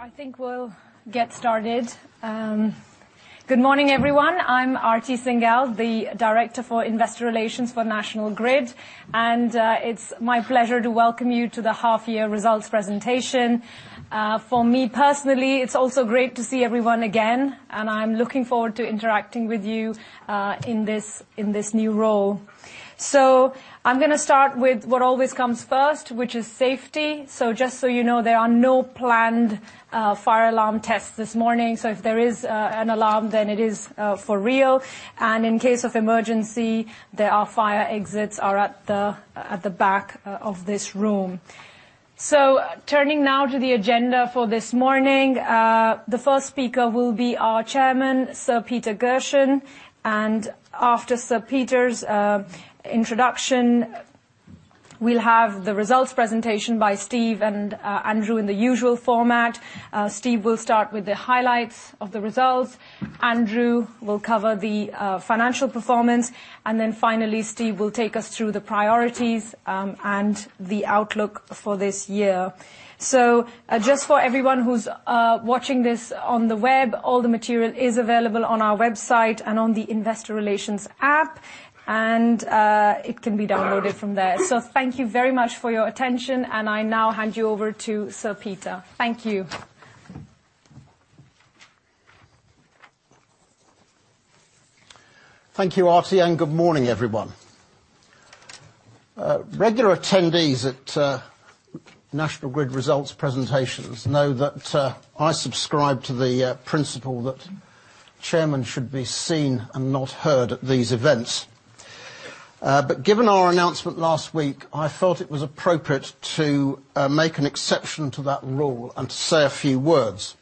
Okay, I think we'll get started. Good morning, everyone. I'm Aarti Singhal, the Director for Investor Relations for National Grid. And it's my pleasure to welcome you to the half-year results presentation. For me personally, it's also great to see everyone again. And I'm looking forward to interacting with you in this new role. So I'm going to start with what always comes first, which is safety. So just so you know, there are no planned fire alarm tests this morning. So if there is an alarm, then it is for real. And in case of emergency, there are fire exits at the back of this room. So turning now to the agenda for this morning, the first speaker will be our Chairman, Sir Peter Gershon. And after Sir Peter's introduction, we'll have the results presentation by Steve and Andrew in the usual format. Steve will start with the highlights of the results. Andrew will cover the financial performance. And then finally, Steve will take us through the priorities and the outlook for this year. So just for everyone who's watching this on the web, all the material is available on our website and on the Investor Relations app. And it can be downloaded from there. So thank you very much for your attention. And I now hand you over to Sir Peter. Thank you. Thank you, Aarti. And good morning, everyone. Regular attendees at National Grid results presentations know that I subscribe to the principle that chairmen should be seen and not heard at these events. But given our announcement last week, I felt it was appropriate to make an exception to that rule and to say a few words.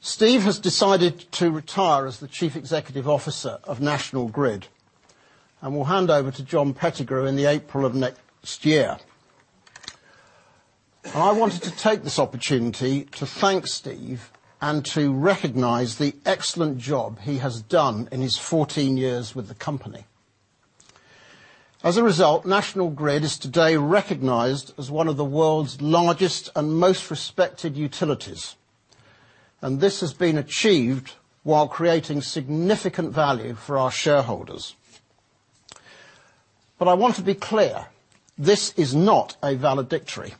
Steve has decided to retire as the Chief Executive Officer of National Grid and will hand over to John Pettigrew in April of next year. I wanted to take this opportunity to thank Steve and to recognize the excellent job he has done in his 14 years with the company. As a result, National Grid is today recognized as one of the world's largest and most respected utilities. And this has been achieved while creating significant value for our shareholders. But I want to be clear, this is not a valedictory.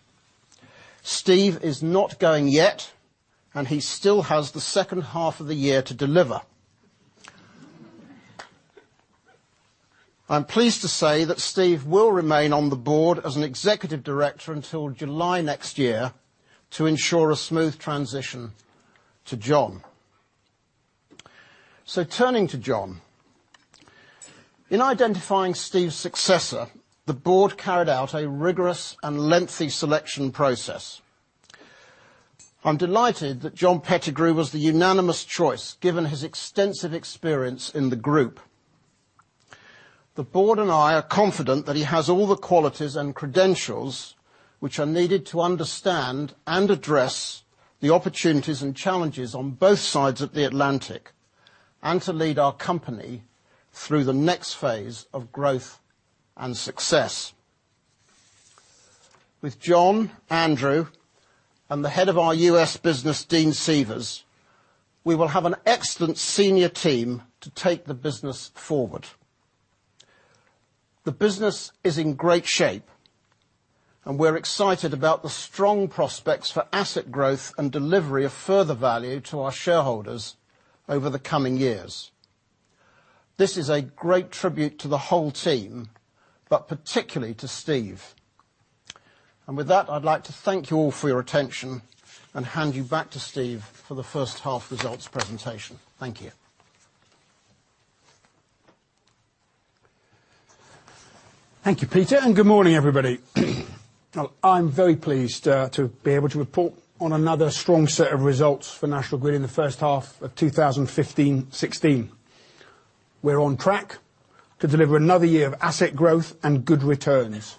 Steve is not going yet, and he still has the second half of the year to deliver. I'm pleased to say that Steve will remain on the board as an executive director until July next year to ensure a smooth transition to John. So turning to John. In identifying Steve's successor, the board carried out a rigorous and lengthy selection process. I'm delighted that John Pettigrew was the unanimous choice given his extensive experience in the group. The board and I are confident that he has all the qualities and credentials which are needed to understand and address the opportunities and challenges on both sides of the Atlantic and to lead our company through the next phase of growth and success. With John, Andrew, and the head of our U.S. business, Dean Seavers, we will have an excellent senior team to take the business forward. The business is in great shape, and we're excited about the strong prospects for asset growth and delivery of further value to our shareholders over the coming years. This is a great tribute to the whole team, but particularly to Steve. And with that, I'd like to thank you all for your attention and hand you back to Steve for the first half results presentation. Thank you. Thank you, Peter, and good morning, everybody. I'm very pleased to be able to report on another strong set of results for National Grid in the first half of 2015-2016. We're on track to deliver another year of asset growth and good returns.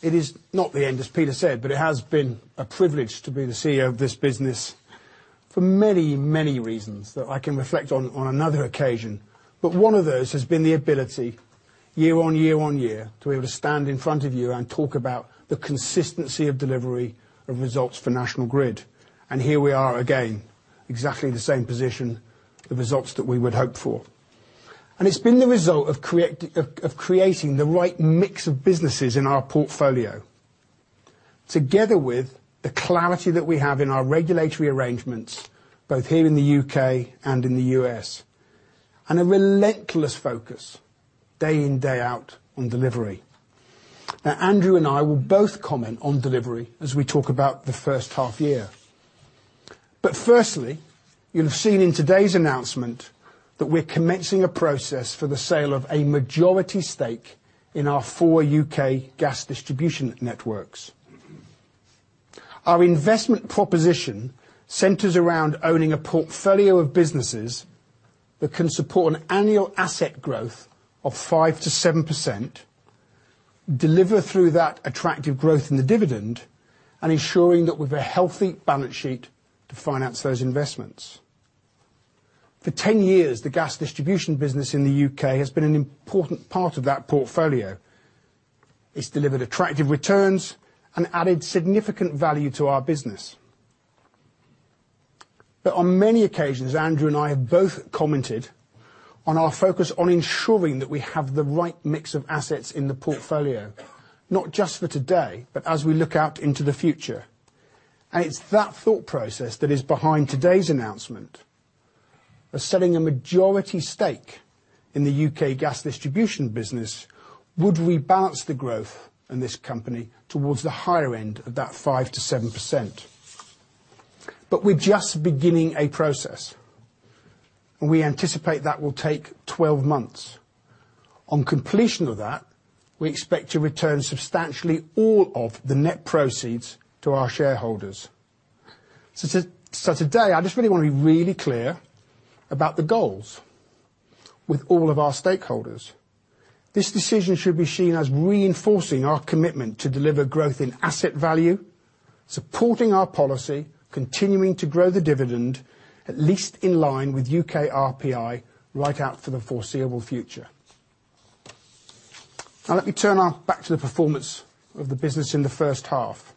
It is not the end, as Peter said, but it has been a privilege to be the CEO of this business for many, many reasons that I can reflect on on another occasion, but one of those has been the ability, year on year on year, to be able to stand in front of you and talk about the consistency of delivery of results for National Grid, and here we are again, exactly the same position, the results that we would hope for. And it's been the result of creating the right mix of businesses in our portfolio, together with the clarity that we have in our regulatory arrangements, both here in the U.K. and in the U.S., and a relentless focus day in, day out on delivery. Now, Andrew and I will both comment on delivery as we talk about the first half year. But firstly, you'll have seen in today's announcement that we're commencing a process for the sale of a majority stake in our four U.K. gas distribution networks. Our investment proposition centers around owning a portfolio of businesses that can support an annual asset growth of 5%-7%, deliver through that attractive growth in the dividend, and ensuring that we've a healthy balance sheet to finance those investments. For 10 years, the gas distribution business in the U.K. has been an important part of that portfolio. It's delivered attractive returns and added significant value to our business. But on many occasions, Andrew and I have both commented on our focus on ensuring that we have the right mix of assets in the portfolio, not just for today, but as we look out into the future. And it's that thought process that is behind today's announcement of selling a majority stake in the UK gas distribution business would rebalance the growth in this company towards the higher end of that 5%-7%. But we're just beginning a process. We anticipate that will take 12 months. On completion of that, we expect to return substantially all of the net proceeds to our shareholders. So today, I just really want to be really clear about the goals with all of our stakeholders. This decision should be seen as reinforcing our commitment to deliver growth in asset value, supporting our policy, continuing to grow the dividend, at least in line with UK RPI right out for the foreseeable future. Now, let me turn back to the performance of the business in the first half.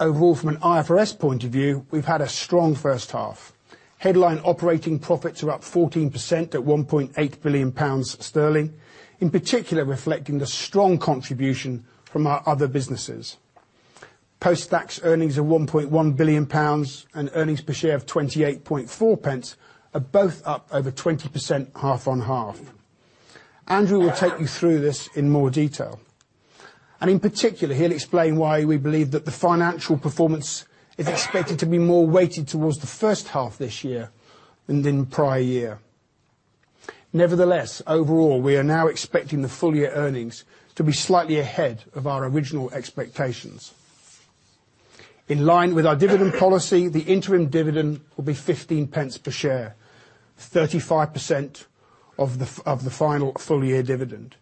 Overall, from an IFRS point of view, we've had a strong first half. Headline operating profits are up 14% at 1.8 billion sterling, in particular reflecting the strong contribution from our other businesses. Post-tax earnings of GBP 1.1 billion and earnings per share of 0.28 are both up over 20%, half on half. Andrew will take you through this in more detail, and in particular, he'll explain why we believe that the financial performance is expected to be more weighted towards the first half this year than in the prior year. Nevertheless, overall, we are now expecting the full year earnings to be slightly ahead of our original expectations. In line with our dividend policy, the interim dividend will be 0.15 per share, 35% of the final full year dividend.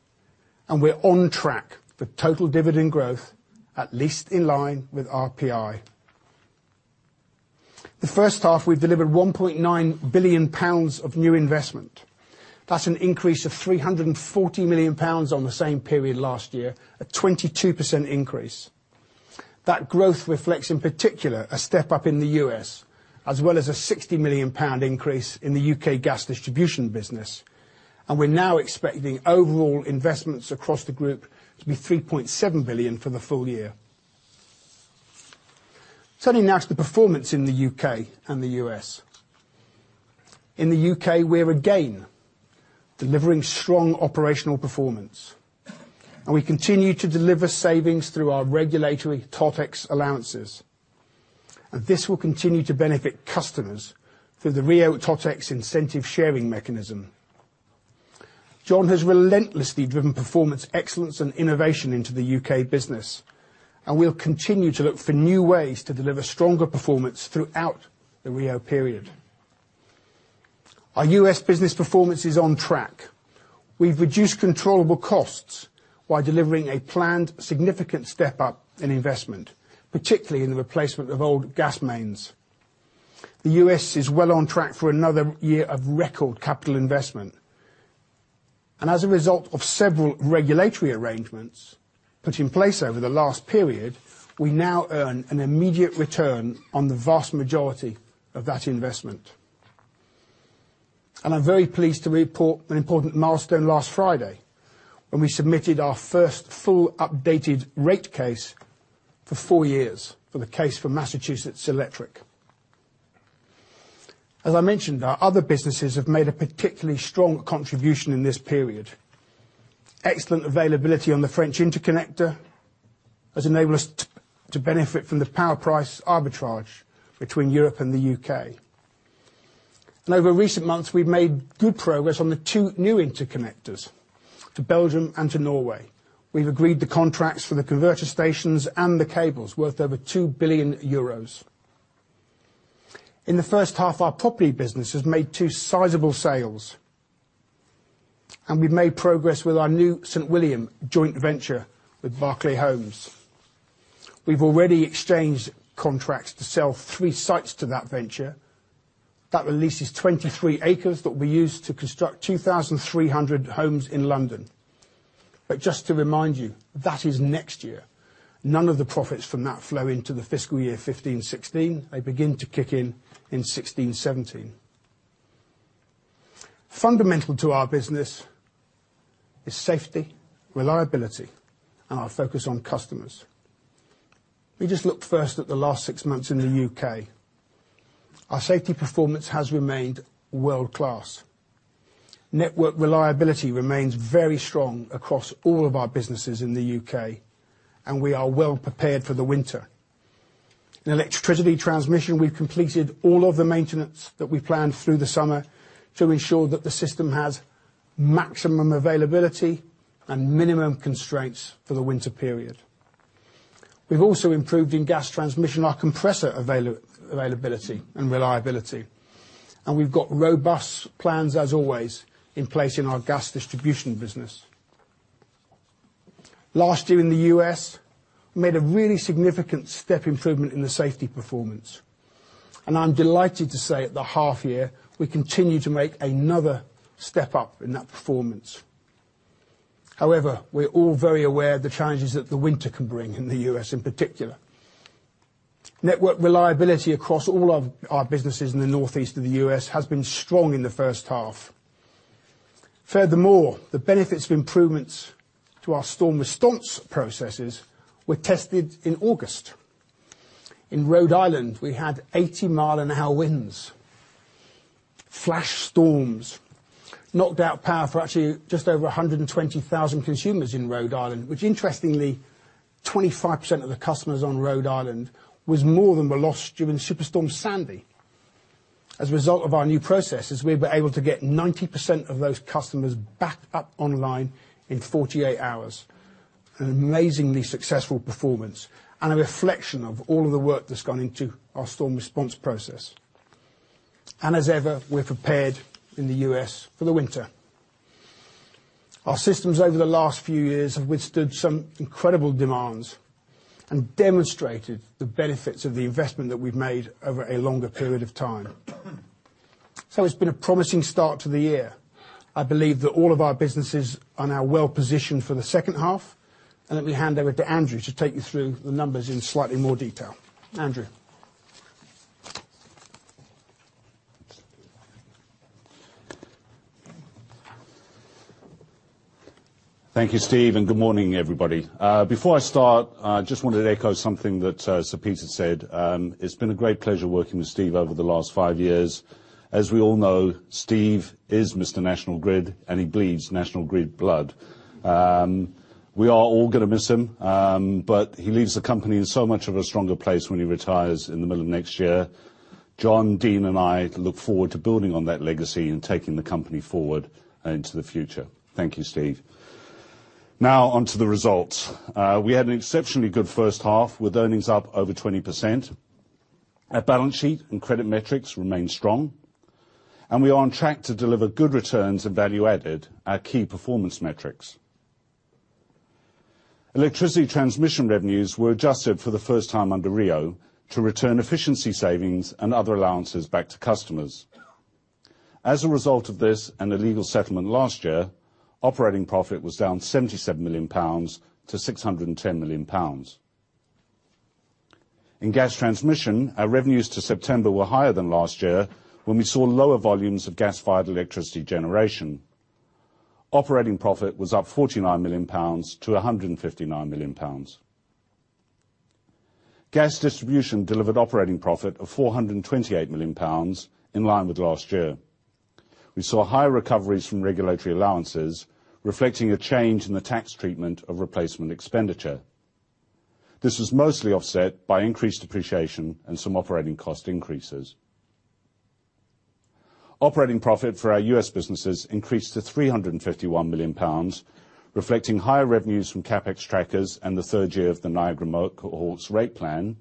And we're on track for total dividend growth, at least in line with RPI. The first half, we've delivered 1.9 billion pounds of new investment. That's an increase of 340 million pounds on the same period last year, a 22% increase. That growth reflects, in particular, a step up in the US, as well as a 60 million pound increase in the UK gas distribution business. And we're now expecting overall investments across the group to be 3.7 billion for the full year. Turning now to the performance in the UK and the US. In the UK, we're again delivering strong operational performance. And we continue to deliver savings through our regulatory TOTEX allowances. This will continue to benefit customers through the RIIO TOTEX incentive sharing mechanism. John has relentlessly driven performance excellence and innovation into the U.K. business. We'll continue to look for new ways to deliver stronger performance throughout the RIIO period. Our U.S. business performance is on track. We've reduced controllable costs while delivering a planned significant step up in investment, particularly in the replacement of old gas mains. The U.S. is well on track for another year of record capital investment. As a result of several regulatory arrangements put in place over the last period, we now earn an immediate return on the vast majority of that investment. I'm very pleased to report an important milestone last Friday when we submitted our first full updated rate case for four years for the case for Massachusetts Electric. As I mentioned, our other businesses have made a particularly strong contribution in this period. Excellent availability on the French interconnector has enabled us to benefit from the power price arbitrage between Europe and the UK, and over recent months, we've made good progress on the two new interconnectors to Belgium and to Norway. We've agreed the contracts for the converter stations and the cables worth over 2 billion euros. In the first half, our property business has made two sizable sales, and we've made progress with our new St William joint venture with Berkeley Homes. We've already exchanged contracts to sell three sites to that venture. That releases 23 acres that will be used to construct 2,300 homes in London, but just to remind you, that is next year. None of the profits from that flow into the fiscal year 2015-16. They begin to kick in in 2016-17. Fundamental to our business is safety, reliability, and our focus on customers. We just looked first at the last six months in the U.K. Our safety performance has remained world-class. Network reliability remains very strong across all of our businesses in the U.K. And we are well prepared for the winter. In electricity transmission, we've completed all of the maintenance that we planned through the summer to ensure that the system has maximum availability and minimum constraints for the winter period. We've also improved in gas transmission, our compressor availability and reliability. And we've got robust plans, as always, in place in our gas distribution business. Last year in the U.S., we made a really significant step improvement in the safety performance. And I'm delighted to say at the half year, we continue to make another step up in that performance. However, we're all very aware of the challenges that the winter can bring in the U.S., in particular. Network reliability across all of our businesses in the northeast of the U.S. has been strong in the first half. Furthermore, the benefits of improvements to our storm response processes were tested in August. In Rhode Island, we had 80-mile-an-hour winds. Flash storms knocked out power for actually just over 120,000 consumers in Rhode Island, which interestingly, 25% of the customers on Rhode Island was more than were lost during Superstorm Sandy. As a result of our new processes, we were able to get 90% of those customers back up online in 48 hours. An amazingly successful performance and a reflection of all of the work that's gone into our storm response process, and as ever, we're prepared in the U.S. for the winter. Our systems over the last few years have withstood some incredible demands and demonstrated the benefits of the investment that we've made over a longer period of time. So it's been a promising start to the year. I believe that all of our businesses are now well positioned for the second half. And let me hand over to Andrew to take you through the numbers in slightly more detail. Andrew. Thank you, Steve. And good morning, everybody. Before I start, I just wanted to echo something that Sir Peter said. It's been a great pleasure working with Steve over the last five years. As we all know, Steve is Mr. National Grid, and he bleeds National Grid blood. We are all going to miss him, but he leaves the company in so much of a stronger place when he retires in the middle of next year. John, Dean, and I look forward to building on that legacy and taking the company forward into the future. Thank you, Steve. Now, on to the results. We had an exceptionally good first half with earnings up over 20%. Our balance sheet and credit metrics remain strong. And we are on track to deliver good returns and value added, our key performance metrics. Electricity transmission revenues were adjusted for the first time under RIIO to return efficiency savings and other allowances back to customers. As a result of this and the legal settlement last year, operating profit was down GBP 77 million to GBP 610 million. In gas transmission, our revenues to September were higher than last year when we saw lower volumes of gas-fired electricity generation. Operating profit was up GBP 49 million to GBP 159 million. Gas distribution delivered operating profit of 428 million pounds in line with last year. We saw higher recoveries from regulatory allowances, reflecting a change in the tax treatment of replacement expenditure. This was mostly offset by increased depreciation and some operating cost increases. Operating profit for our U.S. businesses increased to 351 million pounds, reflecting higher revenues from CapEx trackers and the third year of the Niagara Mohawk rate plan,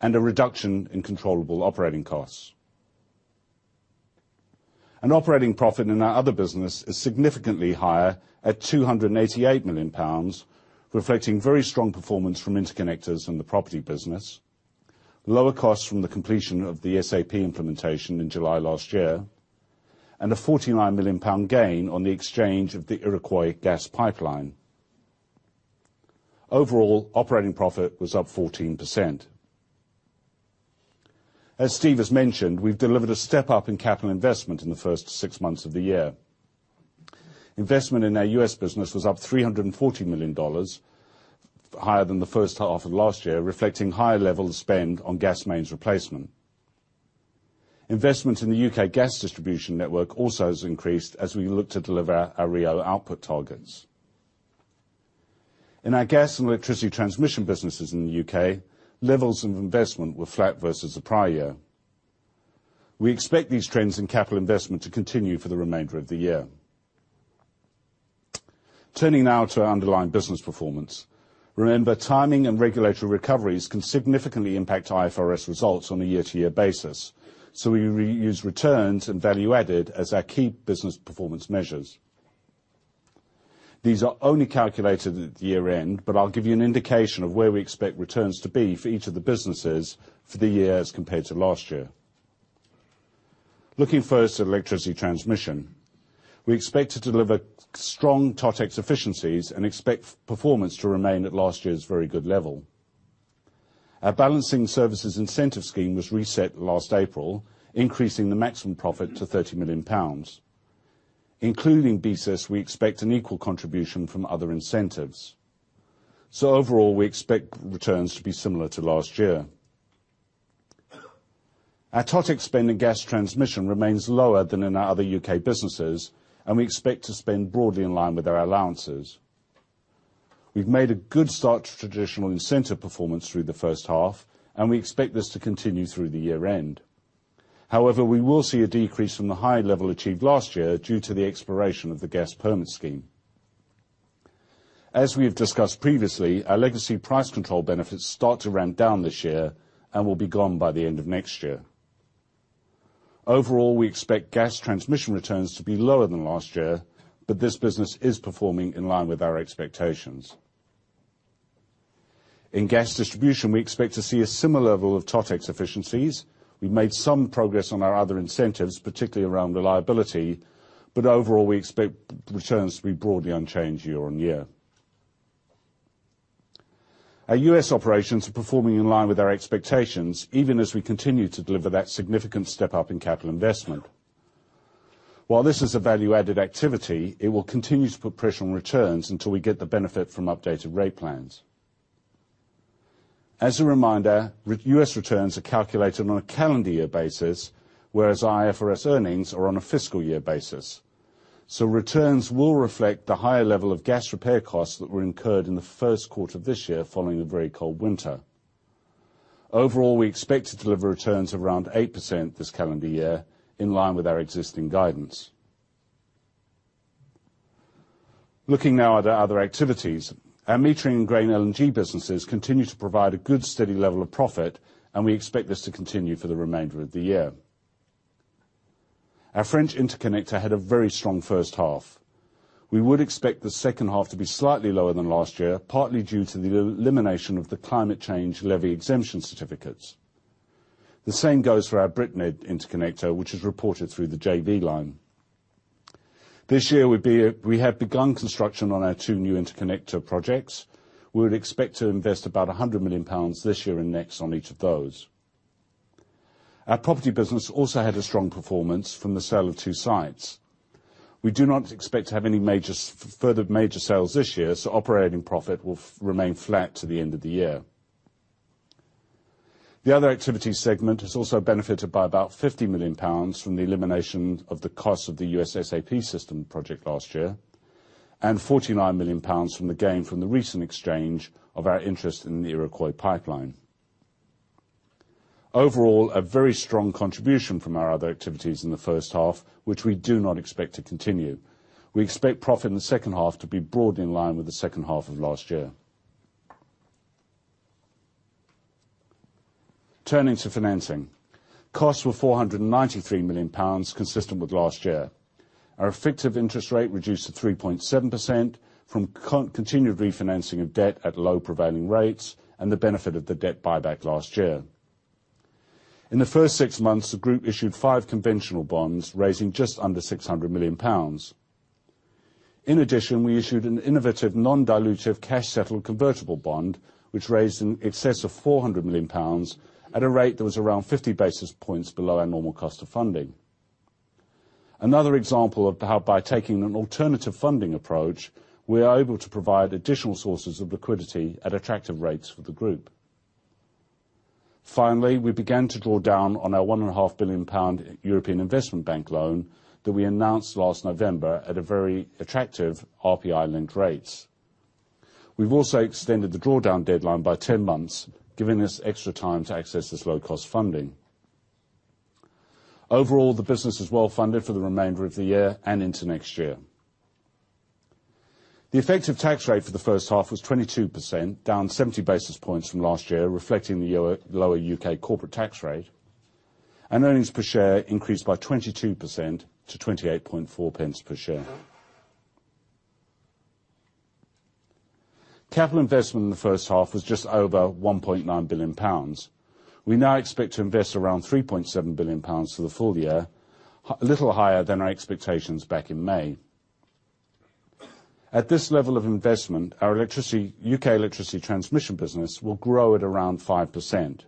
and a reduction in controllable operating costs. Operating profit in our other business is significantly higher at 288 million pounds, reflecting very strong performance from interconnectors and the property business, lower costs from the completion of the SAP implementation in July last year, and a GBP 49 million gain on the exchange of the Iroquois gas pipeline. Overall, operating profit was up 14%. As Steve has mentioned, we've delivered a step up in capital investment in the first six months of the year. Investment in our U.S. business was up $340 million, higher than the first half of last year, reflecting higher levels of spend on gas mains replacement. Investment in the U.K. gas distribution network also has increased as we look to deliver our RIIO output targets. In our gas and electricity transmission businesses in the U.K., levels of investment were flat versus the prior year. We expect these trends in capital investment to continue for the remainder of the year. Turning now to our underlying business performance. Remember, timing and regulatory recoveries can significantly impact IFRS results on a year-to-year basis. So we use returns and value added as our key business performance measures. These are only calculated at the year-end, but I'll give you an indication of where we expect returns to be for each of the businesses for the year as compared to last year. Looking first at electricity transmission, we expect to deliver strong TOTEX efficiencies and expect performance to remain at last year's very good level. Our balancing services incentive scheme was reset last April, increasing the maximum profit to 30 million pounds. Including BSIS, we expect an equal contribution from other incentives. So overall, we expect returns to be similar to last year. Our TOTEX spend in gas transmission remains lower than in our other U.K. businesses, and we expect to spend broadly in line with our allowances. We've made a good start to traditional incentive performance through the first half, and we expect this to continue through the year-end. However, we will see a decrease from the high level achieved last year due to the expiration of the gas permit scheme. As we have discussed previously, our legacy price control benefits start to run down this year and will be gone by the end of next year. Overall, we expect gas transmission returns to be lower than last year, but this business is performing in line with our expectations. In gas distribution, we expect to see a similar level of TOTEX efficiencies. We've made some progress on our other incentives, particularly around reliability. But overall, we expect returns to be broadly unchanged year on year. Our U.S. operations are performing in line with our expectations, even as we continue to deliver that significant step up in capital investment. While this is a value-added activity, it will continue to put pressure on returns until we get the benefit from updated rate plans. As a reminder, U.S. returns are calculated on a calendar year basis, whereas IFRS earnings are on a fiscal year basis. So returns will reflect the higher level of gas repair costs that were incurred in the first quarter of this year following the very cold winter. Overall, we expect to deliver returns of around 8% this calendar year in line with our existing guidance. Looking now at our other activities, our metering and Grain LNG businesses continue to provide a good steady level of profit, and we expect this to continue for the remainder of the year. Our French interconnector had a very strong first half. We would expect the second half to be slightly lower than last year, partly due to the elimination of the Climate Change Levy exemption certificates. The same goes for our BritNed interconnector, which is reported through the JV line. This year, we have begun construction on our two new interconnector projects. We would expect to invest about 100 million pounds this year and next on each of those. Our property business also had a strong performance from the sale of two sites. We do not expect to have any further major sales this year, so operating profit will remain flat to the end of the year. The other activity segment has also benefited by about 50 million pounds from the elimination of the cost of the US SAP system project last year and 49 million pounds from the gain from the recent exchange of our interest in the Iroquois pipeline. Overall, a very strong contribution from our other activities in the first half, which we do not expect to continue. We expect profit in the second half to be broadly in line with the second half of last year. Turning to financing, costs were 493 million pounds, consistent with last year. Our effective interest rate reduced to 3.7% from continued refinancing of debt at low prevailing rates and the benefit of the debt buyback last year. In the first six months, the group issued five conventional bonds raising just under 600 million pounds. In addition, we issued an innovative non-dilutive cash-settled convertible bond, which raised in excess of 400 million pounds at a rate that was around 50 basis points below our normal cost of funding. Another example of how by taking an alternative funding approach, we are able to provide additional sources of liquidity at attractive rates for the group. Finally, we began to draw down on our 1.5 billion pound European Investment Bank loan that we announced last November at a very attractive RPI-linked rates. We've also extended the drawdown deadline by 10 months, giving us extra time to access this low-cost funding. Overall, the business is well funded for the remainder of the year and into next year. The effective tax rate for the first half was 22%, down 70 basis points from last year, reflecting the lower U.K. corporate tax rate. Earnings per share increased by 22% to 28.4 per share. Capital investment in the first half was just over 1.9 billion pounds. We now expect to invest around 3.7 billion pounds for the full year, a little higher than our expectations back in May. At this level of investment, our U.K. electricity transmission business will grow at around 5%.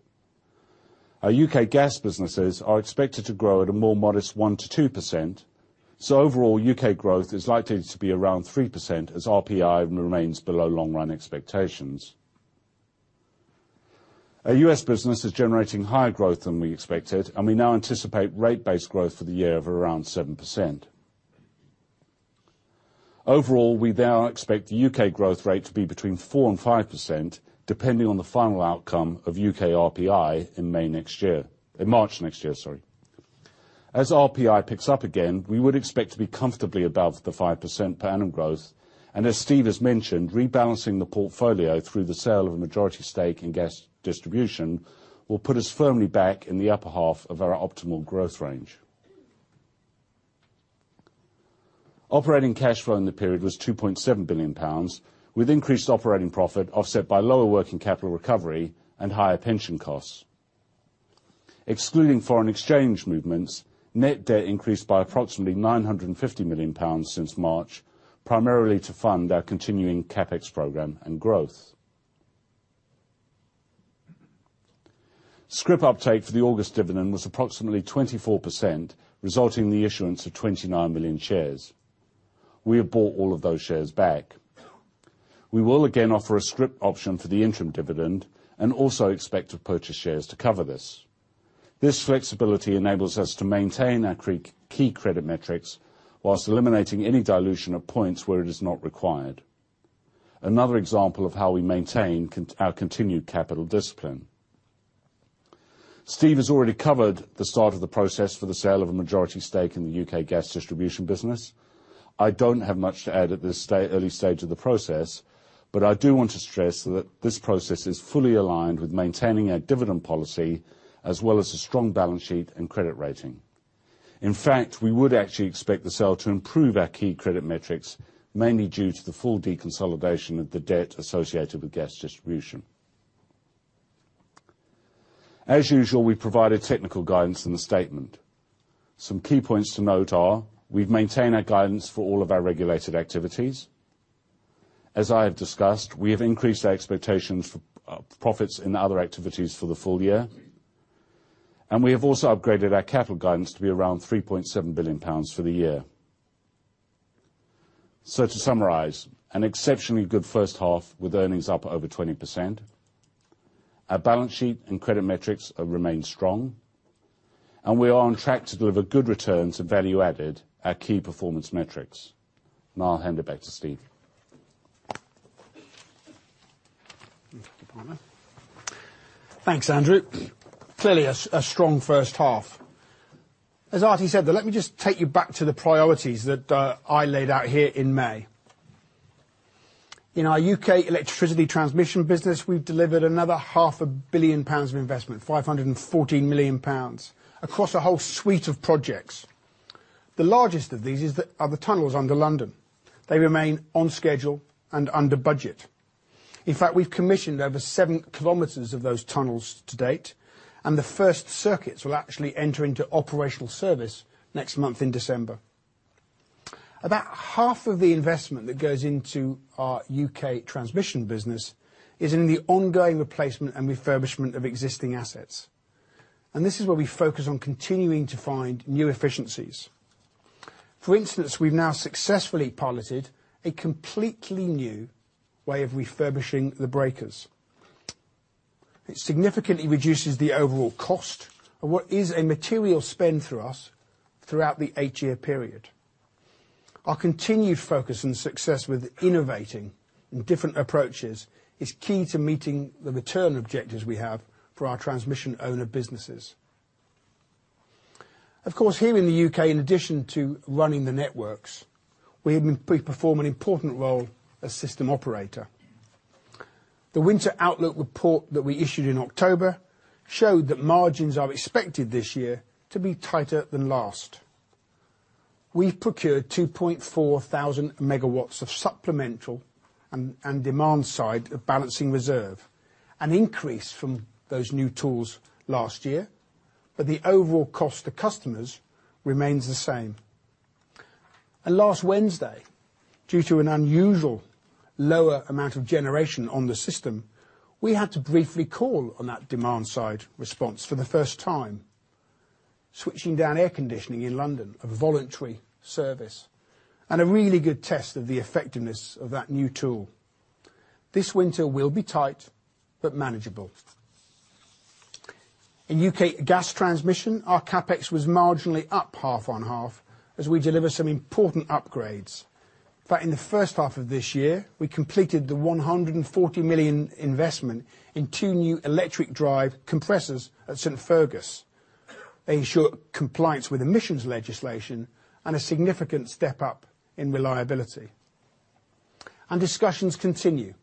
Our U.K. gas businesses are expected to grow at a more modest 1% to 2%. Overall, U.K. growth is likely to be around 3% as RPI remains below long-run expectations. Our U.S. business is generating higher growth than we expected, and we now anticipate rate-based growth for the year of around 7%. Overall, we now expect the U.K. growth rate to be between 4% and 5%, depending on the final outcome of U.K. RPI in March next year. As RPI picks up again, we would expect to be comfortably above the 5% per annum growth. And as Steve has mentioned, rebalancing the portfolio through the sale of a majority stake in gas distribution will put us firmly back in the upper half of our optimal growth range. Operating cash flow in the period was 2.7 billion pounds, with increased operating profit offset by lower working capital recovery and higher pension costs. Excluding foreign exchange movements, net debt increased by approximately 950 million pounds since March, primarily to fund our continuing CapEx program and growth scrip uptake for the August dividend was approximately 24%, resulting in the issuance of 29 million shares. We have bought all of those shares back. We will again offer a scrip option for the interim dividend and also expect to purchase shares to cover this. This flexibility enables us to maintain our key credit metrics while eliminating any dilution of points where it is not required. Another example of how we maintain our continued capital discipline. Steve has already covered the start of the process for the sale of a majority stake in the UK gas distribution business. I don't have much to add at this early stage of the process, but I do want to stress that this process is fully aligned with maintaining our dividend policy as well as a strong balance sheet and credit rating. In fact, we would actually expect the sale to improve our key credit metrics, mainly due to the full deconsolidation of the debt associated with gas distribution. As usual, we provided technical guidance in the statement. Some key points to note are we've maintained our guidance for all of our regulated activities. As I have discussed, we have increased our expectations for profits in other activities for the full year. And we have also upgraded our capital guidance to be around 3.7 billion pounds for the year. So to summarise, an exceptionally good first half with earnings up over 20%. Our balance sheet and credit metrics have remained strong, and we are on track to deliver good returns and value added, our key performance metrics. Now I'll hand it back to Steve. Thanks, Andrew. Clearly, a strong first half. As Arti said, let me just take you back to the priorities that I laid out here in May. In our U.K. electricity transmission business, we've delivered another 500 million pounds of investment, 514 million pounds, across a whole suite of projects. The largest of these are the tunnels under London. They remain on schedule and under budget. In fact, we've commissioned over seven kilometers of those tunnels to date, and the first circuits will actually enter into operational service next month in December. About half of the investment that goes into our U.K. transmission business is in the ongoing replacement and refurbishment of existing assets, and this is where we focus on continuing to find new efficiencies. For instance, we've now successfully piloted a completely new way of refurbishing the breakers. It significantly reduces the overall cost of what is a material spend for us throughout the eight-year period. Our continued focus and success with innovating and different approaches is key to meeting the return objectives we have for our transmission owner businesses. Of course, here in the U.K., in addition to running the networks, we perform an important role as system operator. The winter outlook report that we issued in October showed that margins are expected this year to be tighter than last. We've procured 2.4 thousand megawatts of supplemental and demand-side balancing reserve, an increase from those new tools last year, but the overall cost to customers remains the same. And last Wednesday, due to an unusual lower amount of generation on the system, we had to briefly call on that demand-side response for the first time, switching down air conditioning in London of voluntary service, and a really good test of the effectiveness of that new tool. This winter will be tight, but manageable. In UK gas transmission, our CapEx was marginally up half on half as we deliver some important upgrades. In fact, in the first half of this year, we completed the 140 million investment in two new electric drive compressors at St Fergus. They ensure compliance with emissions legislation and a significant step up in reliability. Discussions continue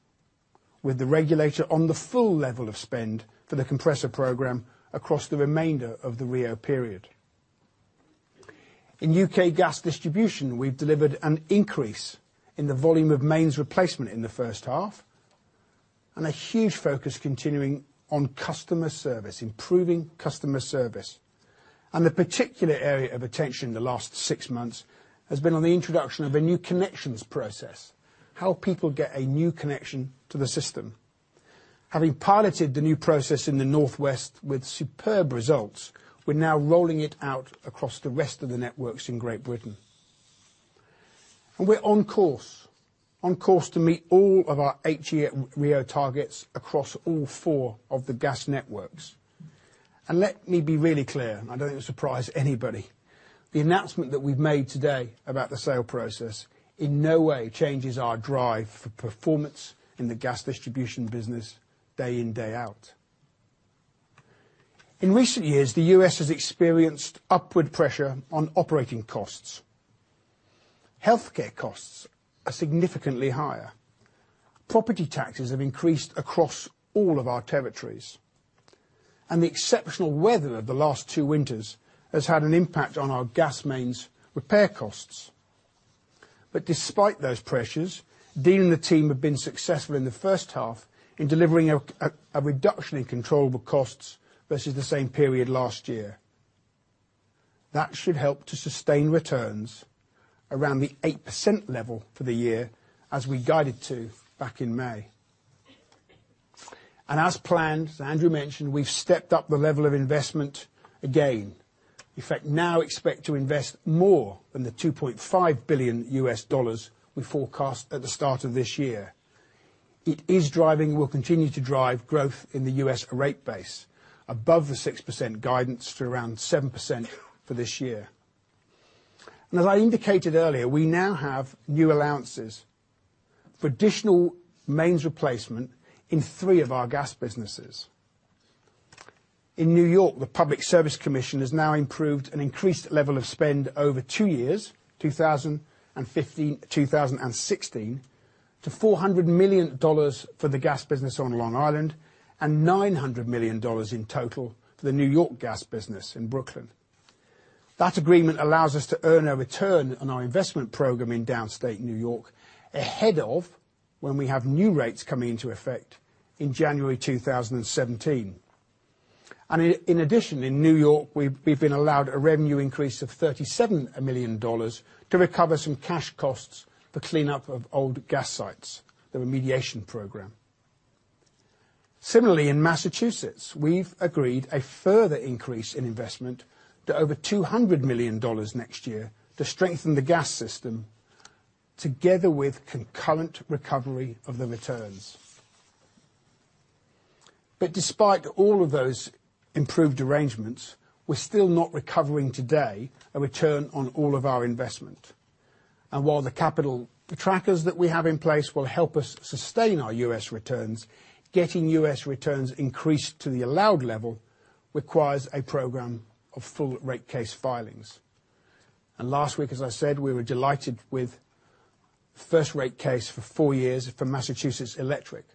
with the regulator on the full level of spend for the compressor program across the remainder of the RIIO period. In U.K. gas distribution, we've delivered an increase in the volume of mains replacement in the first half and a huge focus continuing on customer service, improving customer service. The particular area of attention the last six months has been on the introduction of a new connections process, how people get a new connection to the system. Having piloted the new process in the northwest with superb results, we're now rolling it out across the rest of the networks in Great Britain. We're on course, on course to meet all of our eight-year RIIO targets across all four of the gas networks. And let me be really clear, and I don't think it will surprise anybody. The announcement that we've made today about the sale process in no way changes our drive for performance in the gas distribution business day in, day out. In recent years, the U.S. has experienced upward pressure on operating costs. Healthcare costs are significantly higher. Property taxes have increased across all of our territories. And the exceptional weather of the last two winters has had an impact on our gas mains repair costs. But despite those pressures, Dean and the team have been successful in the first half in delivering a reduction in controllable costs versus the same period last year. That should help to sustain returns around the 8% level for the year, as we guided to back in May. And as planned, as Andrew mentioned, we've stepped up the level of investment again. In fact, now expect to invest more than the $2.5 billion we forecast at the start of this year. It is driving and will continue to drive growth in the U.S. rate base above the 6% guidance to around 7% for this year. And as I indicated earlier, we now have new allowances for additional mains replacement in three of our gas businesses. In New York, the Public Service Commission has now approved an increased level of spend over two years, 2016, to $400 million for the gas business on Long Island and $900 million in total for the New York gas business in Brooklyn. That agreement allows us to earn a return on our investment program in downstate New York ahead of when we have new rates coming into effect in January 2017. In addition, in New York, we've been allowed a revenue increase of $37 million to recover some cash costs for cleanup of old gas sites, the remediation program. Similarly, in Massachusetts, we've agreed a further increase in investment to over $200 million next year to strengthen the gas system, together with concurrent recovery of the returns. Despite all of those improved arrangements, we're still not recovering today a return on all of our investment. While the capital trackers that we have in place will help us sustain our U.S. returns, getting U.S. returns increased to the allowed level requires a program of full rate case filings. Last week, as I said, we were delighted with first rate case for four years for Massachusetts Electric.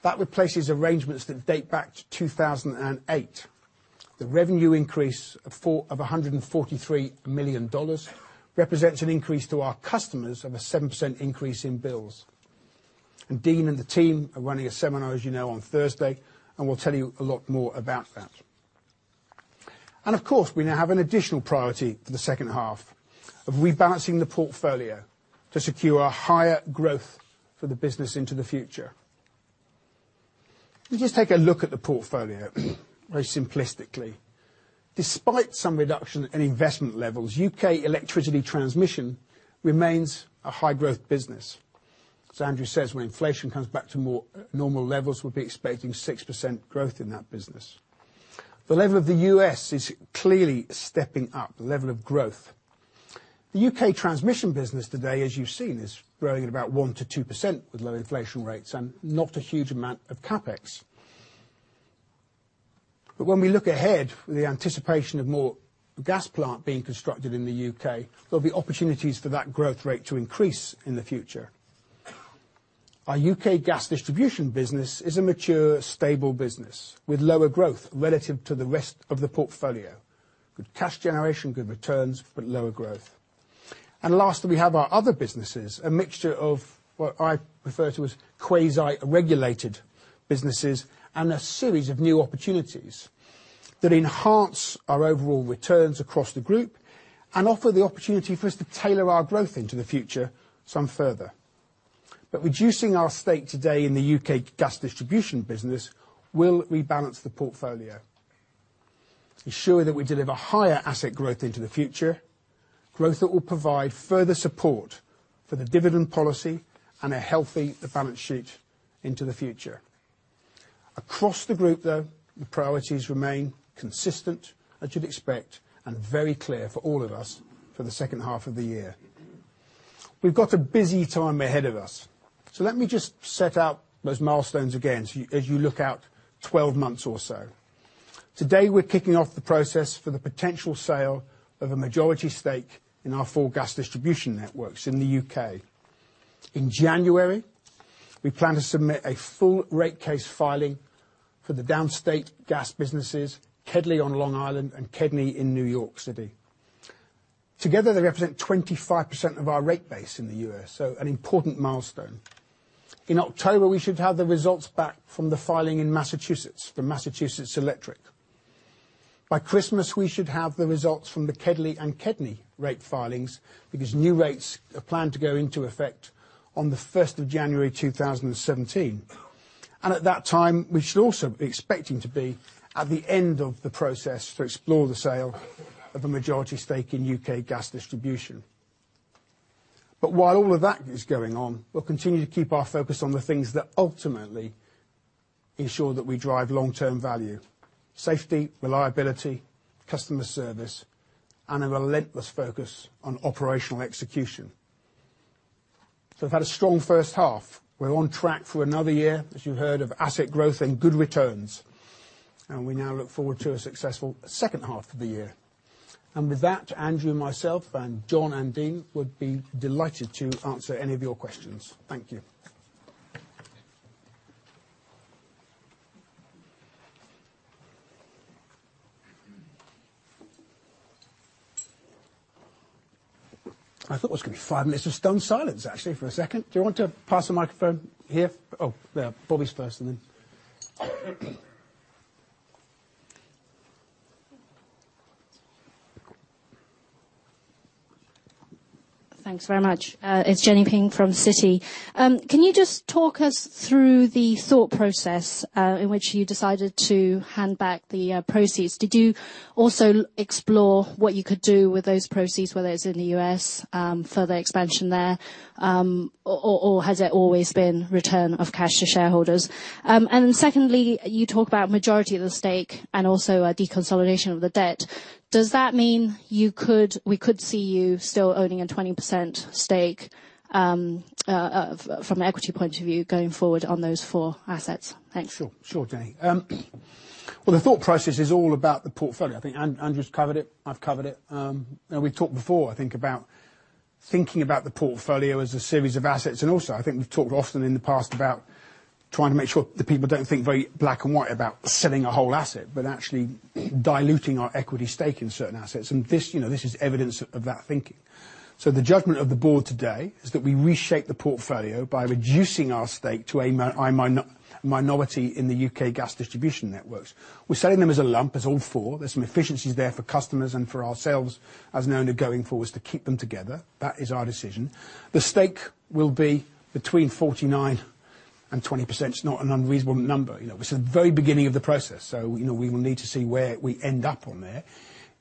That replaces arrangements that date back to 2008. The revenue increase of $143 million represents an increase to our customers of a 7% increase in bills. And Dean and the team are running a seminar, as you know, on Thursday, and we'll tell you a lot more about that. And of course, we now have an additional priority for the second half of rebalancing the portfolio to secure a higher growth for the business into the future. Let me just take a look at the portfolio very simplistically. Despite some reduction in investment levels, UK electricity transmission remains a high-growth business. As Andrew says, when inflation comes back to more normal levels, we'll be expecting 6% growth in that business. The level of the US is clearly stepping up, the level of growth. The UK transmission business today, as you've seen, is growing at about 1%-2% with low inflation rates and not a huge amount of CapEx. But when we look ahead with the anticipation of more gas plant being constructed in the UK, there'll be opportunities for that growth rate to increase in the future. Our UK gas distribution business is a mature, stable business with lower growth relative to the rest of the portfolio. Good cash generation, good returns, but lower growth. And lastly, we have our other businesses, a mixture of what I prefer to as quasi-regulated businesses and a series of new opportunities that enhance our overall returns across the group and offer the opportunity for us to tailor our growth into the future some further. But reducing our stake today in the UK gas distribution business will rebalance the portfolio, ensure that we deliver higher asset growth into the future, growth that will provide further support for the dividend policy and a healthy balance sheet into the future. Across the group, though, the priorities remain consistent, as you'd expect, and very clear for all of us for the second half of the year. We've got a busy time ahead of us. So let me just set out those milestones again as you look out 12 months or so. Today, we're kicking off the process for the potential sale of a majority stake in our four gas distribution networks in the UK. In January, we plan to submit a full rate case filing for the downstate gas businesses, KEDLI on Long Island and KEDNY in New York City. Together, they represent 25% of our rate base in the U.S., so an important milestone. In October, we should have the results back from the filing in Massachusetts for Massachusetts Electric. By Christmas, we should have the results from the KEDLI and KEDNY rate filings because new rates are planned to go into effect on the 1st of January 2017, and at that time, we should also be expecting to be at the end of the process to explore the sale of a majority stake in U.K. gas distribution, but while all of that is going on, we'll continue to keep our focus on the things that ultimately ensure that we drive long-term value: safety, reliability, customer service, and a relentless focus on operational execution, so we've had a strong first half. We're on track for another year, as you've heard, of asset growth and good returns. We now look forward to a successful second half of the year. With that, Andrew, myself, and John and Dean would be delighted to answer any of your questions. Thank you. I thought it was going to be five minutes of stone silence, actually, for a second. Do you want to pass the microphone here? Oh, Bob is first and then. Thanks very much. It's Jenny Ping from Citi. Can you just talk us through the thought process in which you decided to hand back the proceeds? Did you also explore what you could do with those proceeds, whether it's in the U.S. for the expansion there, or has it always been return of cash to shareholders? And then secondly, you talk about majority of the stake and also a deconsolidation of the debt. Does that mean we could see you still owning a 20% stake from an equity point of view going forward on those four assets? Thanks. Sure, sure, Jenny. Well, the thought process is all about the portfolio. I think Andrew's covered it. I've covered it. We've talked before, I think, about thinking about the portfolio as a series of assets. And also, I think we've talked often in the past about trying to make sure that people don't think very black and white about selling a whole asset, but actually diluting our equity stake in certain assets. And this is evidence of that thinking. So the judgment of the board today is that we reshape the portfolio by reducing our stake to a minority in the UK gas distribution networks. We're selling them as a lump, as all four. There's some efficiencies there for customers and for ourselves as an owner going forwards to keep them together. That is our decision. The stake will be between 49% and 20%. It's not an unreasonable number. It's the very beginning of the process, so we will need to see where we end up on there.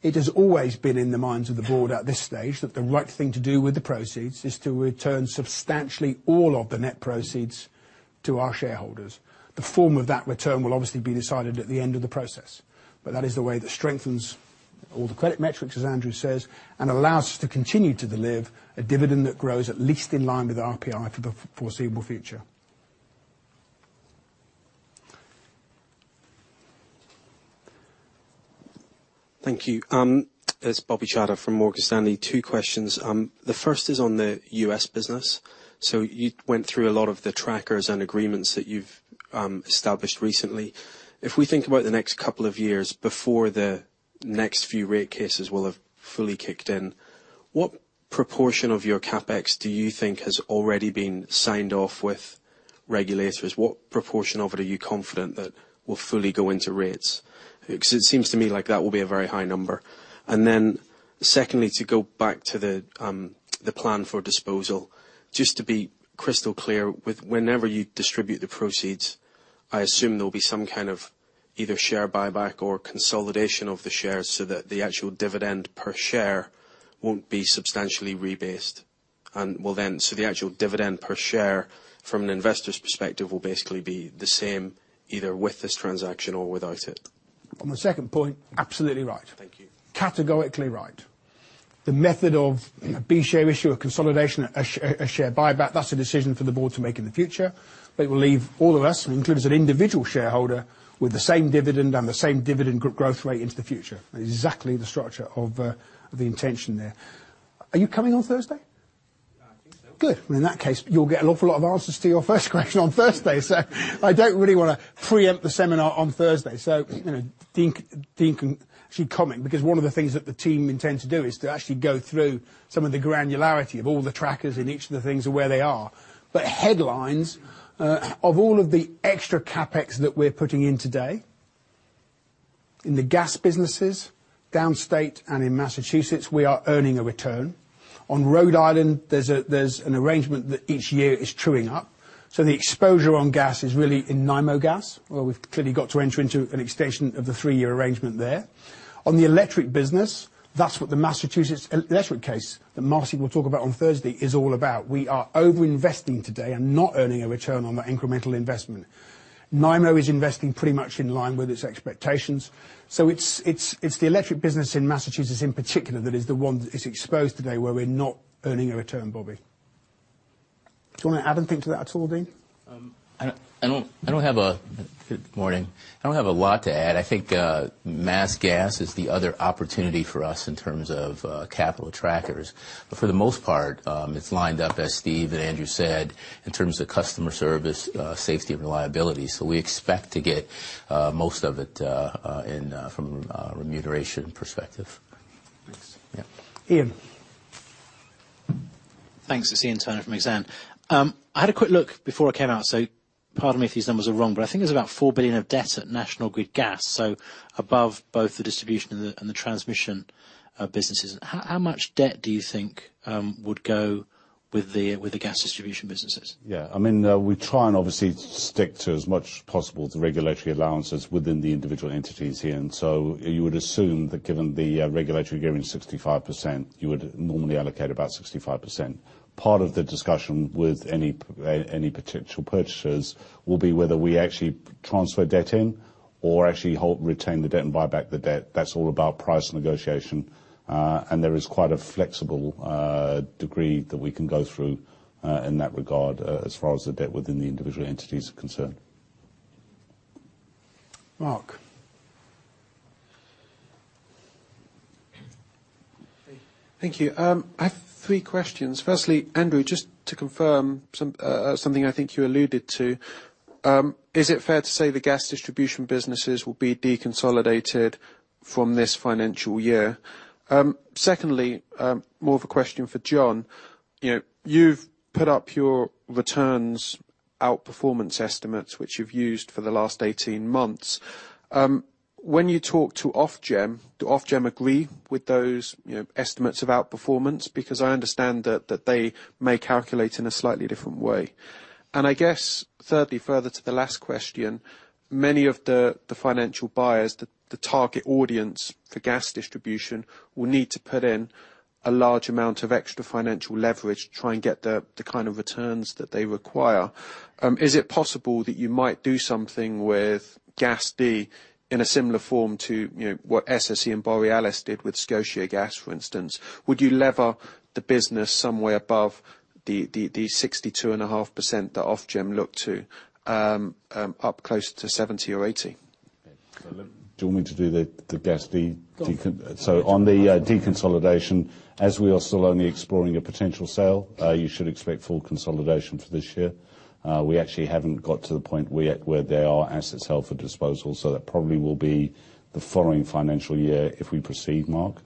It has always been in the minds of the board at this stage that the right thing to do with the proceeds is to return substantially all of the net proceeds to our shareholders. The form of that return will obviously be decided at the end of the process, but that is the way that strengthens all the credit metrics, as Andrew says, and allows us to continue to deliver a dividend that grows at least in line with RPI for the foreseeable future. Thank you. It's Bobby Chada from Morgan Stanley. Two questions. The first is on the U.S. business. So you went through a lot of the trackers and agreements that you've established recently. If we think about the next couple of years before the next few rate cases will have fully kicked in, what proportion of your CapEx do you think has already been signed off with regulators? What proportion of it are you confident that will fully go into rates? Because it seems to me like that will be a very high number. And then secondly, to go back to the plan for disposal, just to be crystal clear, whenever you distribute the proceeds, I assume there'll be some kind of either share buyback or consolidation of the shares so that the actual dividend per share won't be substantially rebased. And so the actual dividend per share from an investor's perspective will basically be the same either with this transaction or without it. On the second point, absolutely right. Thank you. Categorically right. The method of a B-share issue, a consolidation, a share buyback, that's a decision for the board to make in the future. It will leave all of us, including as an individual shareholder, with the same dividend and the same dividend growth rate into the future. That is exactly the structure of the intention there. Are you coming on Thursday? I think so. Good. Well, in that case, you'll get an awful lot of answers to your first question on Thursday. So I don't really want to preempt the seminar on Thursday. So Dean can actually comment because one of the things that the team intends to do is to actually go through some of the granularity of all the trackers in each of the things and where they are. But headlines of all of the extra CapEx that we're putting in today in the gas businesses downstate and in Massachusetts, we are earning a return. On Rhode Island, there's an arrangement that each year is truing up. So the exposure on gas is really in Nymo Gas. Well, we've clearly got to enter into an extension of the three-year arrangement there. On the electric business, that's what the Massachusetts Electric case that Marcy will talk about on Thursday is all about. We are over-investing today and not earning a return on that incremental investment. Nymo is investing pretty much in line with its expectations. So it's the electric business in Massachusetts in particular that is the one that is exposed today where we're not earning a return, Bobby. Do you want to add anything to that at all, Dean? Good morning. I don't have a lot to add. I think Massachusetts Gas is the other opportunity for us in terms of capital trackers. But for the most part, it's lined up, as Steve and Andrew said, in terms of customer service, safety, and reliability. So we expect to get most of it from a remuneration perspective. Thanks. Iain. Thanks. It's Iain Turner from Exane. I had a quick look before I came out, so pardon me if these numbers are wrong, but I think there's about 4 billion of debt at National Grid Gas, so above both the distribution and the transmission businesses. How much debt do you think would go with the gas distribution businesses? Yeah. I mean, we try and obviously stick to as much as possible to regulatory allowances within the individual entities here. And so you would assume that given the regulatory agreement, 65%, you would normally allocate about 65%. Part of the discussion with any potential purchasers will be whether we actually transfer debt in or actually retain the debt and buy back the debt. That's all about price negotiation. And there is quite a flexible degree that we can go through in that regard as far as the debt within the individual entities are concerned. Mark. Thank you. I have three questions. Firstly, Andrew, just to confirm something I think you alluded to, is it fair to say the gas distribution businesses will be deconsolidated from this financial year? Secondly, more of a question for John. You've put up your returns outperformance estimates, which you've used for the last 18 months. When you talk to Ofgem, do Ofgem agree with those estimates of outperformance? Because I understand that they may calculate in a slightly different way. And I guess, thirdly, further to the last question, many of the financial buyers, the target audience for gas distribution, will need to put in a large amount of extra financial leverage to try and get the kind of returns that they require. Is it possible that you might do something with GasD in a similar form to what SSE and Borealis did with Scotia Gas, for instance? Would you lever the business somewhere above the 62.5% that Ofgem looked to, up close to 70% or 80%? Do you want me to do the GasD? So on the deconsolidation, as we are still only exploring a potential sale, you should expect full consolidation for this year. We actually haven't got to the point where there are assets held for disposal, so that probably will be the following financial year if we proceed, Mark.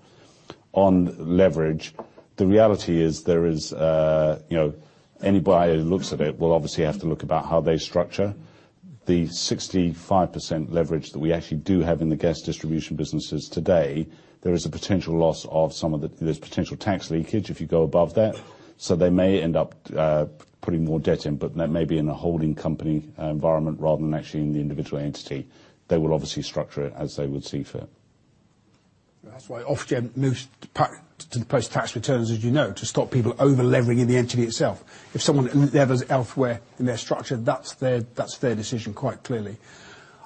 On leverage, the reality is there is anybody who looks at it will obviously have to look about how they structure the 65% leverage that we actually do have in the gas distribution businesses today. There is a potential loss of some of the. There's potential tax leakage if you go above that. So they may end up putting more debt in, but that may be in a holding company environment rather than actually in the individual entity. They will obviously structure it as they would see fit. That's why Ofgem moves to post-tax returns, as you know, to stop people over-levering in the entity itself. If someone levers elsewhere in their structure, that's their decision quite clearly.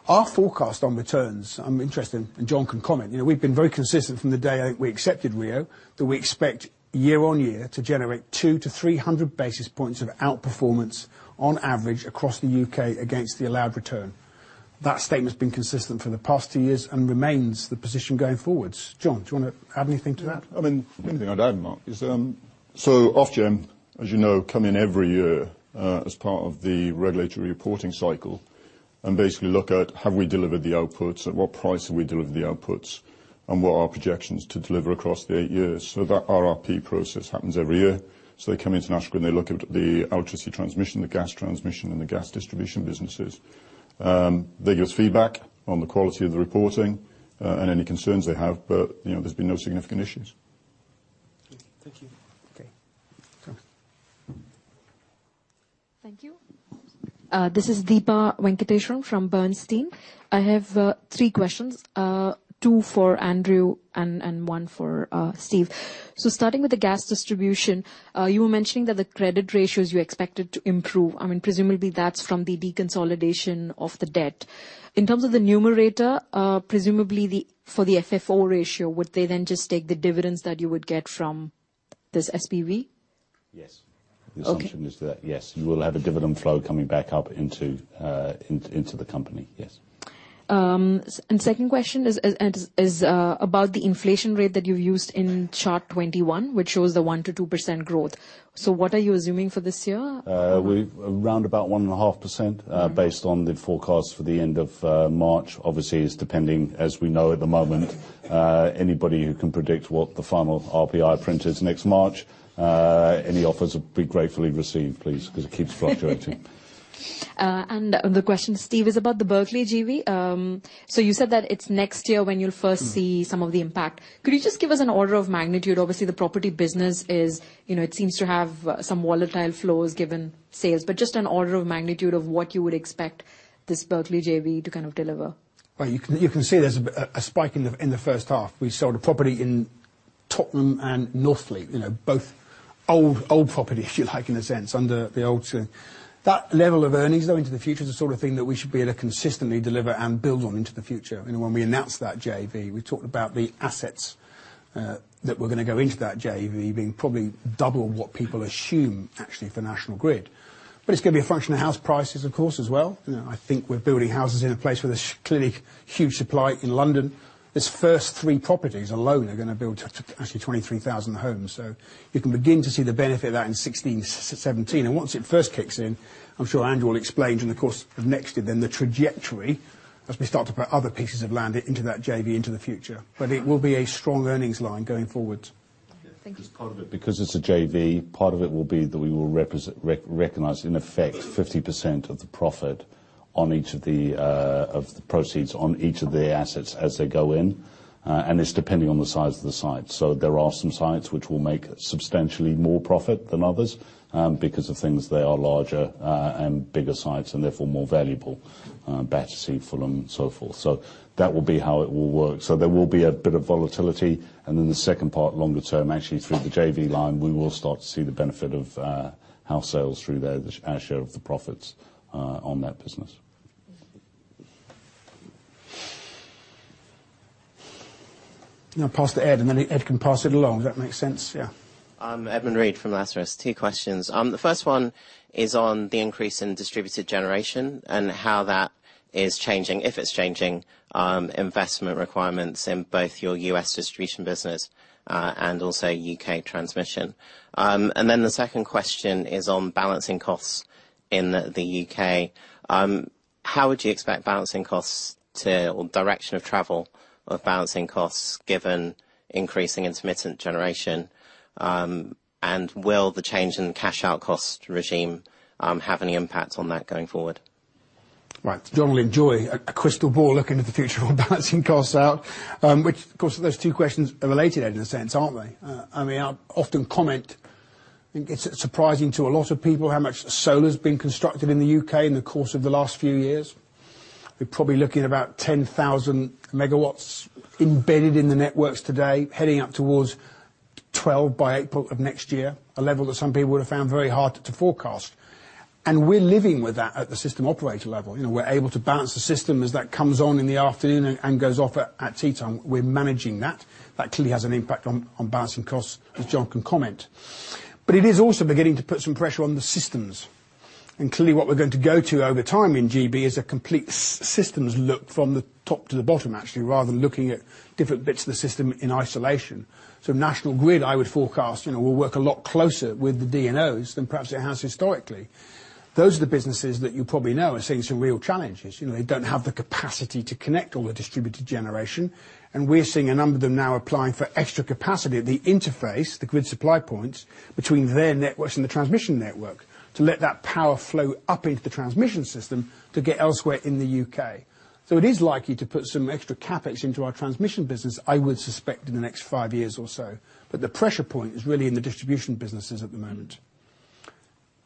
Our forecast on returns, I'm interested, and John can comment. We've been very consistent from the day we accepted RIIO that we expect year on year to generate 200-300 basis points of outperformance on average across the UK against the allowed return. That statement has been consistent for the past two years and remains the position going forwards. John, do you want to add anything to that? I mean, anything I'd add, Mark. So Ofgem, as you know, come in every year as part of the regulatory reporting cycle and basically look at, have we delivered the outputs, at what price have we delivered the outputs, and what are our projections to deliver across the eight years? So that RRP process happens every year. So they come into National Grid and they look at the electricity transmission, the gas transmission, and the gas distribution businesses. They give us feedback on the quality of the reporting and any concerns they have, but there's been no significant issues. Thank you. Okay. Thank you. This is Deepa Venkateswaran from Bernstein. I have three questions, two for Andrew and one for Steve. So starting with the gas distribution, you were mentioning that the credit ratios you expected to improve. I mean, presumably that's from the deconsolidation of the debt. In terms of the numerator, presumably for the FFO ratio, would they then just take the dividends that you would get from this SPV? Yes. The assumption is that, yes, you will have a dividend flow coming back up into the company. Yes. Second question is about the inflation rate that you've used in chart 21, which shows the 1%-2% growth. What are you assuming for this year? Around about 1.5% based on the forecast for the end of March. Obviously, it's depending, as we know at the moment. Anybody who can predict what the final RPI print is next March. Any offers will be gratefully received, please, because it keeps fluctuating. The question, Steve, is about the Berkeley JV. You said that it's next year when you'll first see some of the impact. Could you just give us an order of magnitude? Obviously, the property business is, it seems to have some volatile flows given sales. Just an order of magnitude of what you would expect this Berkeley JV to kind of deliver? You can see there's a spike in the first half. We sold a property in Tottenham and North Leigh, both old property, if you like, in a sense, under the old. That level of earnings, though, into the future is the sort of thing that we should be able to consistently deliver and build on into the future. When we announced that JV, we talked about the assets that we're going to go into that JV being probably double what people assume actually for National Grid. But it's going to be a function of house prices, of course, as well. I think we're building houses in a place where there's clearly huge supply in London. This first three properties alone are going to build actually 23,000 homes. You can begin to see the benefit of that in 2016, 2017. Once it first kicks in, I'm sure Andrew will explain during the course of next year then the trajectory as we start to put other pieces of land into that JV into the future. It will be a strong earnings line going forward. Thank you. Just part of it, because it's a JV, part of it will be that we will recognize, in effect, 50% of the profit on each of the proceeds on each of the assets as they go in. It's depending on the size of the site. There are some sites which will make substantially more profit than others because of things they are larger and bigger sites and therefore more valuable, better sites for them, and so forth. That will be how it will work. There will be a bit of volatility. And then the second part, longer term, actually through the JV line, we will start to see the benefit of house sales through their share of the profits on that business. I'll pass to Ed, and then Ed can pass it along. Does that make sense? Yeah. I'm Edmund Reid from Lazarus. Two questions. The first one is on the increase in distributed generation and how that is changing, if it's changing, investment requirements in both your U.S. distribution business and also U.K. transmission. And then the second question is on balancing costs in the U.K. How would you expect balancing costs to or direction of travel of balancing costs given increasing intermittent generation? And will the change in cash-out cost regime have any impact on that going forward? Right. John will enjoy a crystal ball looking to the future on balancing costs out, which, of course, those two questions are related, Ed, in a sense, aren't they? I mean, I often comment, it's surprising to a lot of people how much solar has been constructed in the U.K. in the course of the last few years. We're probably looking at about 10,000 megawatts embedded in the networks today, heading up towards 12 by April of next year, a level that some people would have found very hard to forecast. And we're living with that at the system operator level. We're able to balance the system as that comes on in the afternoon and goes off at tea time. We're managing that. That clearly has an impact on balancing costs, as John can comment. But it is also beginning to put some pressure on the systems. And clearly, what we're going to go to over time in GB is a complete systems look from the top to the bottom, actually, rather than looking at different bits of the system in isolation. So National Grid, I would forecast, will work a lot closer with the DNOs than perhaps it has historically. Those are the businesses that you probably know are seeing some real challenges. They don't have the capacity to connect all the distributed generation. And we're seeing a number of them now applying for extra capacity at the interface, the grid supply points between their networks and the transmission network to let that power flow up into the transmission system to get elsewhere in the UK. So it is likely to put some extra CapEx into our transmission business, I would suspect, in the next five years or so. But the pressure point is really in the distribution businesses at the moment.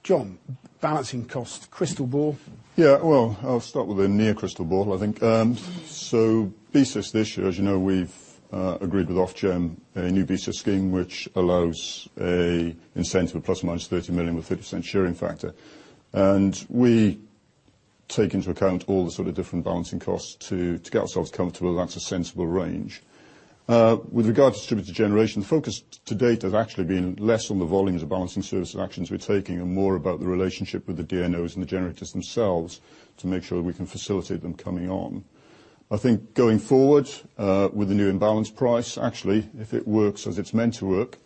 John, balancing costs, crystal ball. Yeah. Well, I'll start with a near crystal ball, I think. So BSIS this year, as you know, we've agreed with Ofgem a new BSIS scheme which allows a incentive of ± 30 million with 30% sharing factor. And we take into account all the sort of different balancing costs to get ourselves comfortable that's a sensible range. With regard to distributed generation, the focus to date has actually been less on the volumes of balancing service actions we're taking and more about the relationship with the DNOs and the generators themselves to make sure that we can facilitate them coming on. I think going forward with the new imbalance price, actually, if it works as it's meant to work,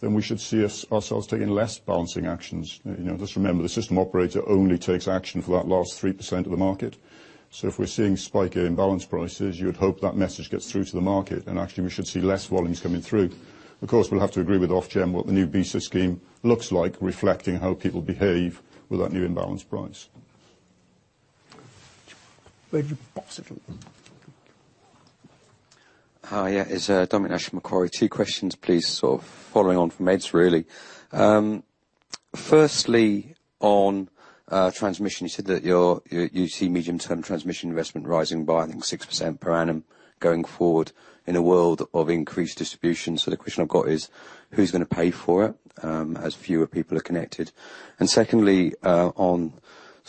then we should see ourselves taking less balancing actions. Just remember, the system operator only takes action for that last 3% of the market. So if we're seeing spike in balance prices, you would hope that message gets through to the market. And actually, we should see less volumes coming through. Of course, we'll have to agree with Ofgem what the new BSIS scheme looks like, reflecting how people behave with that new imbalance price. Yeah. It's Dominic Nash, Macquarie. Two questions, please, sort of following on from Ed's, really. Firstly, on transmission, you said that you see medium-term transmission investment rising by, I think, 6% per annum going forward in a world of increased distribution. So the question I've got is, who's going to pay for it as fewer people are connected? And secondly, on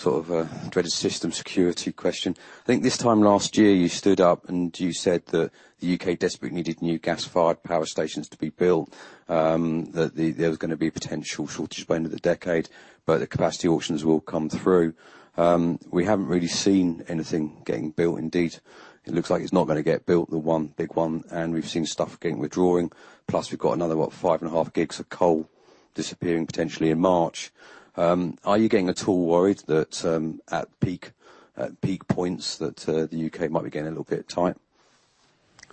sort of a dreaded system security question, I think this time last year you stood up and you said that the U.K. desperately needed new gas-fired power stations to be built, that there was going to be a potential shortage by the end of the decade, but the capacity auctions will come through. We haven't really seen anything getting built. Indeed, it looks like it's not going to get built, the one big one. And we've seen stuff getting withdrawing. Plus, we've got another what, five and a half gigs of coal disappearing potentially in March. Are you getting at all worried that at peak points that the U.K. might be getting a little bit tight?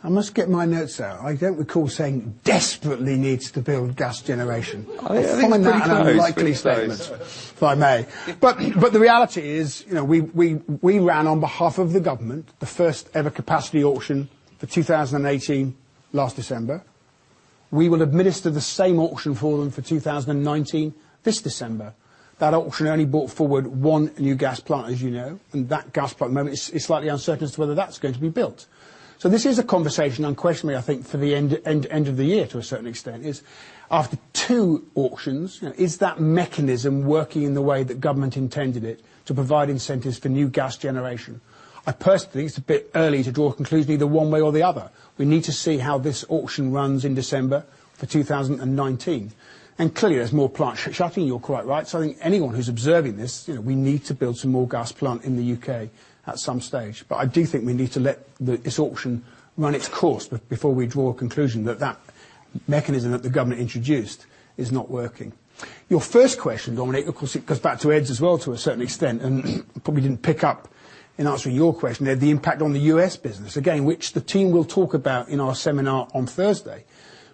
I must get my notes out. I don't recall saying desperately needs to build gas generation. I find that an unlikely statement, if I may. The reality is we ran on behalf of the government the first ever capacity auction for 2018 last December. We will administer the same auction for them for 2019 this December. That auction only brought forward one new gas plant, as you know. And that gas plant, at the moment, it's slightly uncertain as to whether that's going to be built. So this is a conversation unquestionably, I think, for the end of the year to a certain extent, is after two auctions, is that mechanism working in the way that government intended it to provide incentives for new gas generation? I personally think it's a bit early to draw a conclusion either one way or the other. We need to see how this auction runs in December for 2019. And clearly, there's more plant shutting. You're quite right. So I think anyone who's observing this, we need to build some more gas plant in the UK at some stage. But I do think we need to let this auction run its course before we draw a conclusion that that mechanism that the government introduced is not working. Your first question, Dominic, of course, it goes back to Ed's as well to a certain extent, and probably didn't pick up in answering your question, Ed, the impact on the US business, again, which the team will talk about in our seminar on Thursday,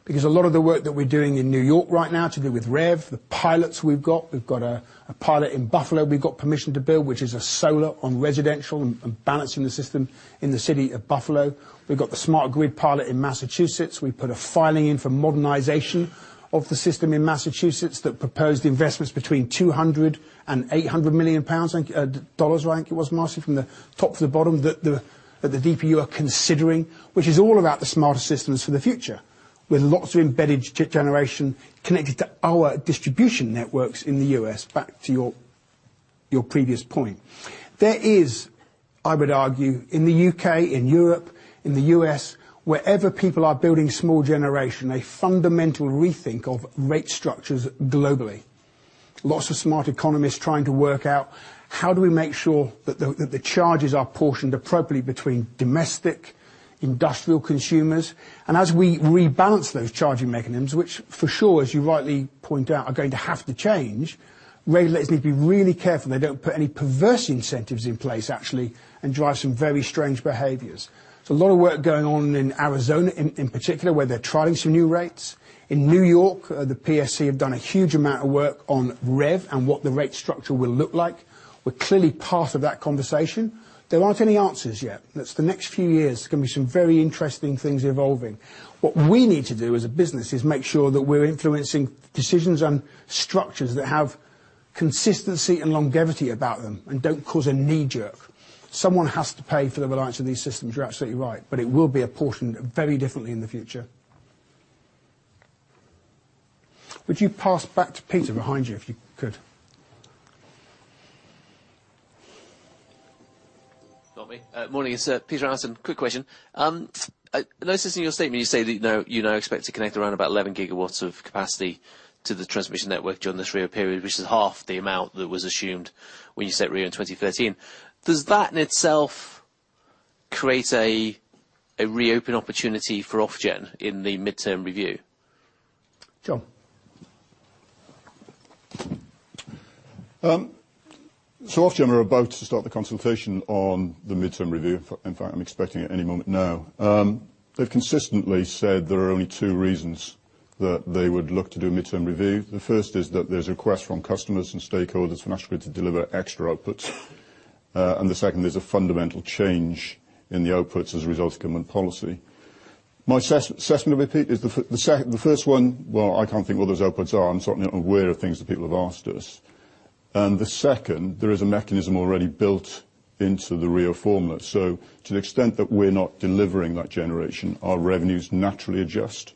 because a lot of the work that we're doing in New York right now to do with REV, the pilots we've got. We've got a pilot in Buffalo we've got permission to build, which is a solar on residential and balancing the system in the city of Buffalo. We've got the Smart Grid pilot in Massachusetts. We put a filing in for modernization of the system in Massachusetts that proposed investments between $200 million-$800 million, I think it was, Marcy, from the top to the bottom that the DPU are considering, which is all about the smart systems for the future with lots of embedded generation connected to our distribution networks in the US. Back to your previous point, there is, I would argue, in the UK, in Europe, in the US, wherever people are building small generation, a fundamental rethink of rate structures globally. Lots of smart economists trying to work out how do we make sure that the charges are apportioned appropriately between domestic industrial consumers. And as we rebalance those charging mechanisms, which for sure, as you rightly point out, are going to have to change, regulators need to be really careful they don't put any perverse incentives in place, actually, and drive some very strange behaviors. There's a lot of work going on in Arizona in particular where they're trialing some new rates. In New York, the PSC have done a huge amount of work on REV and what the rate structure will look like. We're clearly part of that conversation. There aren't any answers yet. That's the next few years. There's going to be some very interesting things evolving. What we need to do as a business is make sure that we're influencing decisions and structures that have consistency and longevity about them and don't cause a knee-jerk. Someone has to pay for the reliance on these systems. You're absolutely right. But it will be apportioned very differently in the future. Would you pass back to Peter behind you if you could? Good morning. It's Peter Atherton. Quick question. Noticed in your statement, you say that you now expect to connect around about 11 gigawatts of capacity to the transmission network during this RIIO period, which is half the amount that was assumed when you set RIIO in 2013. Does that in itself create a reopen opportunity for Ofgem in the midterm review? John. So Ofgem are about to start the consultation on the midterm review. In fact, I'm expecting it any moment now. They've consistently said there are only two reasons that they would look to do a midterm review. The first is that there's a request from customers and stakeholders for National Grid to deliver extra outputs. And the second is a fundamental change in the outputs as a result of government policy. My assessment of it, Pete, is the first one. Well, I can't think what those outputs are. I'm certainly not aware of things that people have asked us. And the second, there is a mechanism already built into the RIIO formula. So to the extent that we're not delivering that generation, our revenues naturally adjust.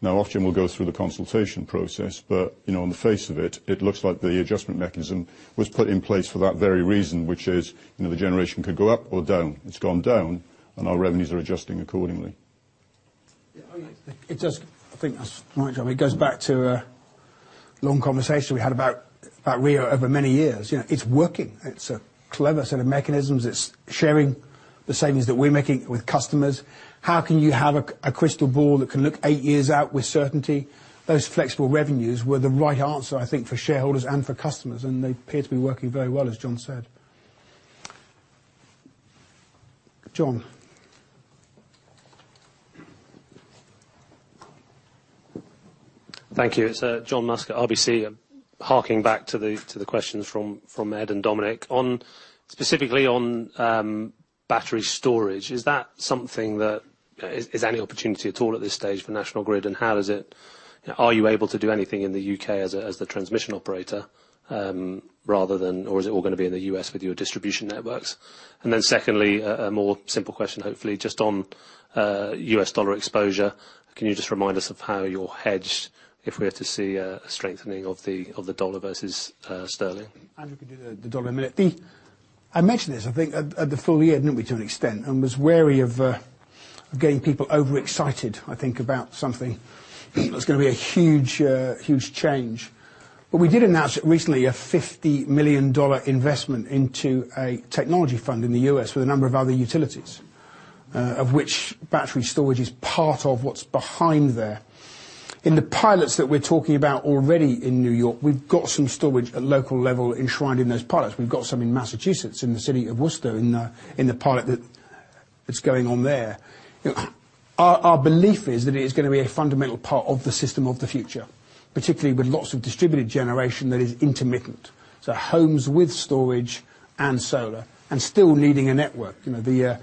Now, Ofgem will go through the consultation process. But on the face of it, it looks like the adjustment mechanism was put in place for that very reason, which is the generation could go up or down. It's gone down, and our revenues are adjusting accordingly. It does. I think that's right, John. It goes back to a long conversation we had about RIIO over many years. It's working. It's a clever set of mechanisms. It's sharing the savings that we're making with customers. How can you have a crystal ball that can look eight years out with certainty? Those flexible revenues were the right answer, I think, for shareholders and for customers. And they appear to be working very well, as John said. John. Thank you. It's John Musk, RBC, harking back to the questions from Ed and Dominic. Specifically on battery storage, is that something that is there any opportunity at all at this stage for National Grid? And how are you able to do anything in the U.K. as the transmission operator, or is it all going to be in the U.S. with your distribution networks? And then secondly, a more simple question, hopefully, just on U.S. dollar exposure. Can you just remind us of how you're hedged if we were to see a strengthening of the dollar versus sterling? Andrew can do the dollar in a minute. I mentioned this, I think, at the full year, didn't we, to an extent, and was wary of getting people overexcited, I think, about something that's going to be a huge change. But we did announce recently a $50 million investment into a technology fund in the U.S. with a number of other utilities, of which battery storage is part of what's behind there. In the pilots that we're talking about already in New York, we've got some storage at local level enshrined in those pilots. We've got some in Massachusetts, in the city of Worcester, in the pilot that's going on there. Our belief is that it is going to be a fundamental part of the system of the future, particularly with lots of distributed generation that is intermittent. So homes with storage and solar and still needing a network. The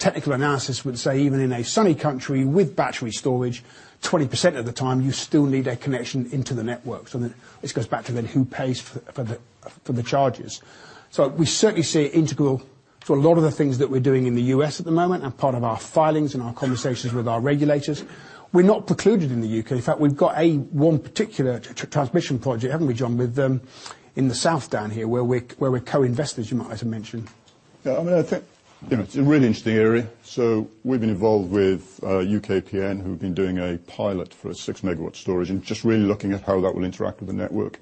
technical analysis would say even in a sunny country with battery storage, 20% of the time, you still need a connection into the network. So this goes back to then who pays for the charges. So we certainly see integral to a lot of the things that we're doing in the U.S. at the moment and part of our filings and our conversations with our regulators. We're not precluded in the U.K. In fact, we've got one particular transmission project, haven't we, John, with them in the south down here where we're co-investors, you might like to mention. Yeah. I mean, I think it's a really interesting area. So we've been involved with UKPN, who've been doing a pilot for a six-megawatt storage and just really looking at how that will interact with the network.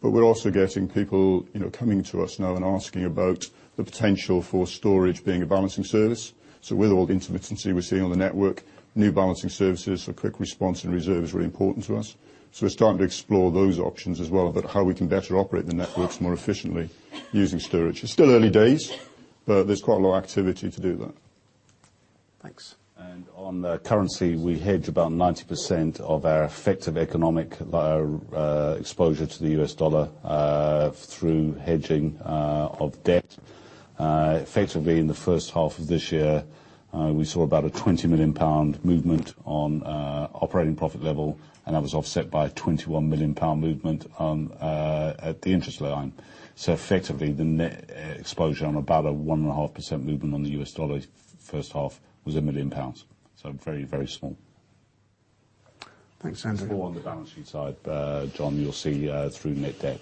But we're also getting people coming to us now and asking about the potential for storage being a balancing service. So with all the intermittency we're seeing on the network, new balancing services for quick response and reserve is really important to us. So we're starting to explore those options as well about how we can better operate the networks more efficiently using storage. It's still early days, but there's quite a lot of activity to do that. Thanks. And on the currency, we hedge about 90% of our effective economic exposure to the US dollar through hedging of debt. Effectively, in the first half of this year, we saw about a £20 million movement on operating profit level, and that was offset by a £21 million movement at the interest line. Effectively, the net exposure on about a 1.5% movement on the USD first half was 1 million pounds. So very, very small. Thanks, Andrew. It's more on the balance sheet side, John. You'll see through net debt.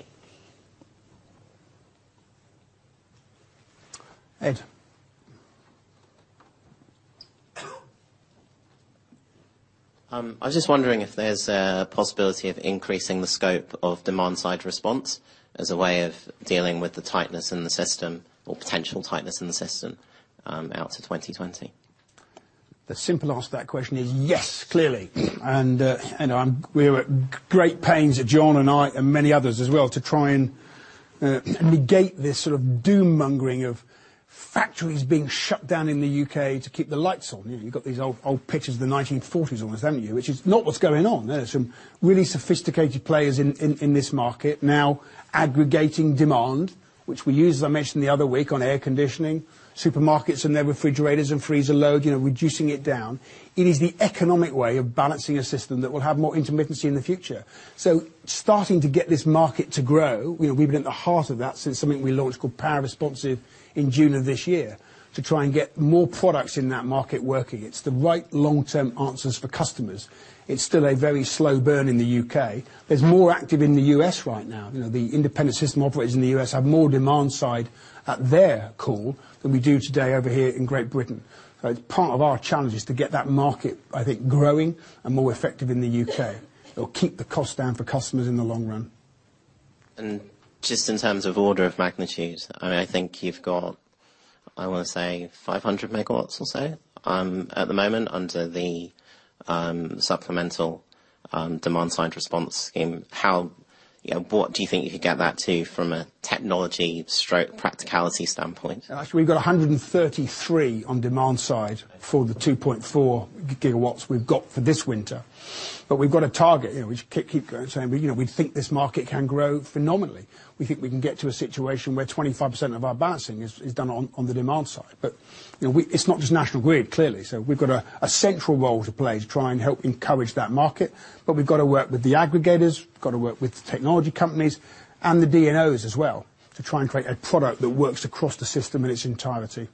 Ed. I was just wondering if there's a possibility of increasing the scope of demand-side response as a way of dealing with the tightness in the system or potential tightness in the system out to 2020. The simple answer to that question is yes, clearly. We were at great pains, John and I, and many others as well, to try and negate this sort of doom-mongering of factories being shut down in the U.K. to keep the lights on. You've got these old pictures of the 1940s almost, haven't you, which is not what's going on. There are some really sophisticated players in this market now aggregating demand, which we use, as I mentioned the other week, on air conditioning, supermarkets and their refrigerators and freezer load, reducing it down. It is the economic way of balancing a system that will have more intermittency in the future, so starting to get this market to grow, we've been at the heart of that since something we launched called Power Responsive in June of this year to try and get more products in that market working. It's the right long-term answers for customers. It's still a very slow burn in the U.K. There's more active in the U.S. right now. The independent system operators in the U.S. have more demand side at their call than we do today over here in Great Britain. Part of our challenge is to get that market, I think, growing and more effective in the UK or keep the cost down for customers in the long run. Just in terms of order of magnitude, I think you've got, I want to say, 500 megawatts or so at the moment under the supplemental demand-side response scheme. What do you think you could get that to from a technology-stroke practicality standpoint? Actually, we've got 133 on demand side for the 2.4 gigawatts we've got for this winter. We've got a target, which keep going and saying we think this market can grow phenomenally. We think we can get to a situation where 25% of our balancing is done on the demand side. It's not just National Grid, clearly. We've got a central role to play to try and help encourage that market. But we've got to work with the aggregators. We've got to work with the technology companies, and the DNOs as well to try and create a product that works across the system in its entirety.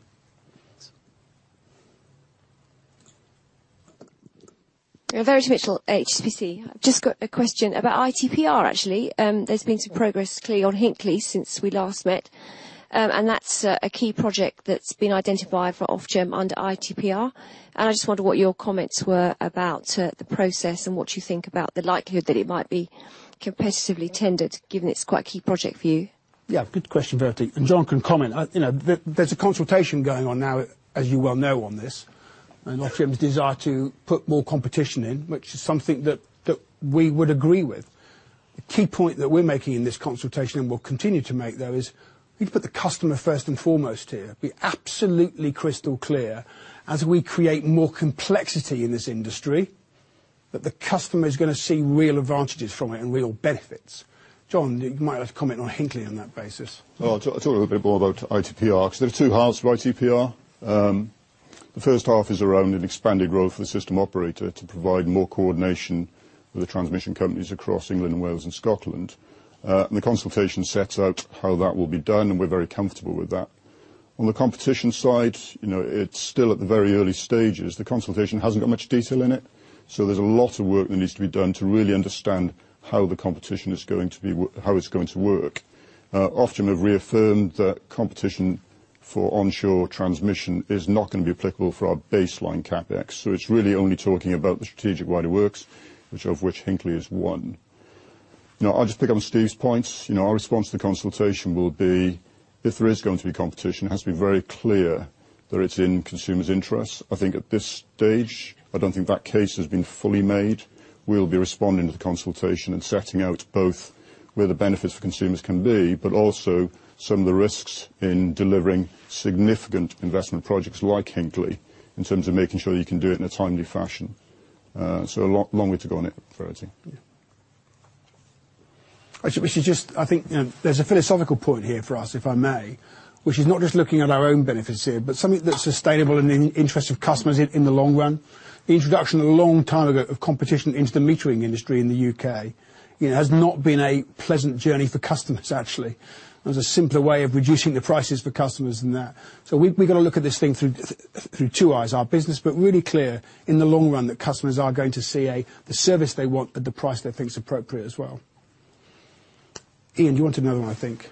Verity Mitchell, HSBC. I've just got a question about ITPR, actually. There's been some progress, clearly, on Hinkley since we last met. And that's a key project that's been identified for Ofgem under ITPR. And I just wonder what your comments were about the process and what you think about the likelihood that it might be competitively tendered, given it's quite a key project for you. Yeah. Good question, Verity. And John can comment. There's a consultation going on now, as you well know, on this. And Ofgem's desire to put more competition in, which is something that we would agree with. The key point that we're making in this consultation and we'll continue to make, though, is we need to put the customer first and foremost here. Be absolutely crystal clear as we create more complexity in this industry that the customer is going to see real advantages from it and real benefits. John, you might like to comment on Hinkley on that basis. I'll talk a little bit more about ITPR. There are two halves of ITPR. The first half is around an expanded role for the system operator to provide more coordination with the transmission companies across England, Wales, and Scotland, and the consultation sets out how that will be done, and we're very comfortable with that. On the competition side, it's still at the very early stages. The consultation hasn't got much detail in it. There's a lot of work that needs to be done to really understand how the competition is going to be how it's going to work. Ofgem have reaffirmed that competition for onshore transmission is not going to be applicable for our baseline CapEx. It's really only talking about the strategic wider works, which Hinkley is one. I'll just pick up on Steve's points. Our response to the consultation will be, if there is going to be competition, it has to be very clear that it's in consumers' interests. I think at this stage, I don't think that case has been fully made. We'll be responding to the consultation and setting out both where the benefits for consumers can be, but also some of the risks in delivering significant investment projects like Hinkley in terms of making sure you can do it in a timely fashion. So a long way to go on it, Verity. Actually, I think there's a philosophical point here for us, if I may, which is not just looking at our own benefits here, but something that's sustainable and in the interest of customers in the long run. The introduction a long time ago of competition into the metering industry in the U.K. has not been a pleasant journey for customers, actually. There's a simpler way of reducing the prices for customers than that. So we've got to look at this thing through two eyes. Our business, but really clear in the long run that customers are going to see the service they want at the price they think is appropriate as well. Iain, you wanted another one, I think.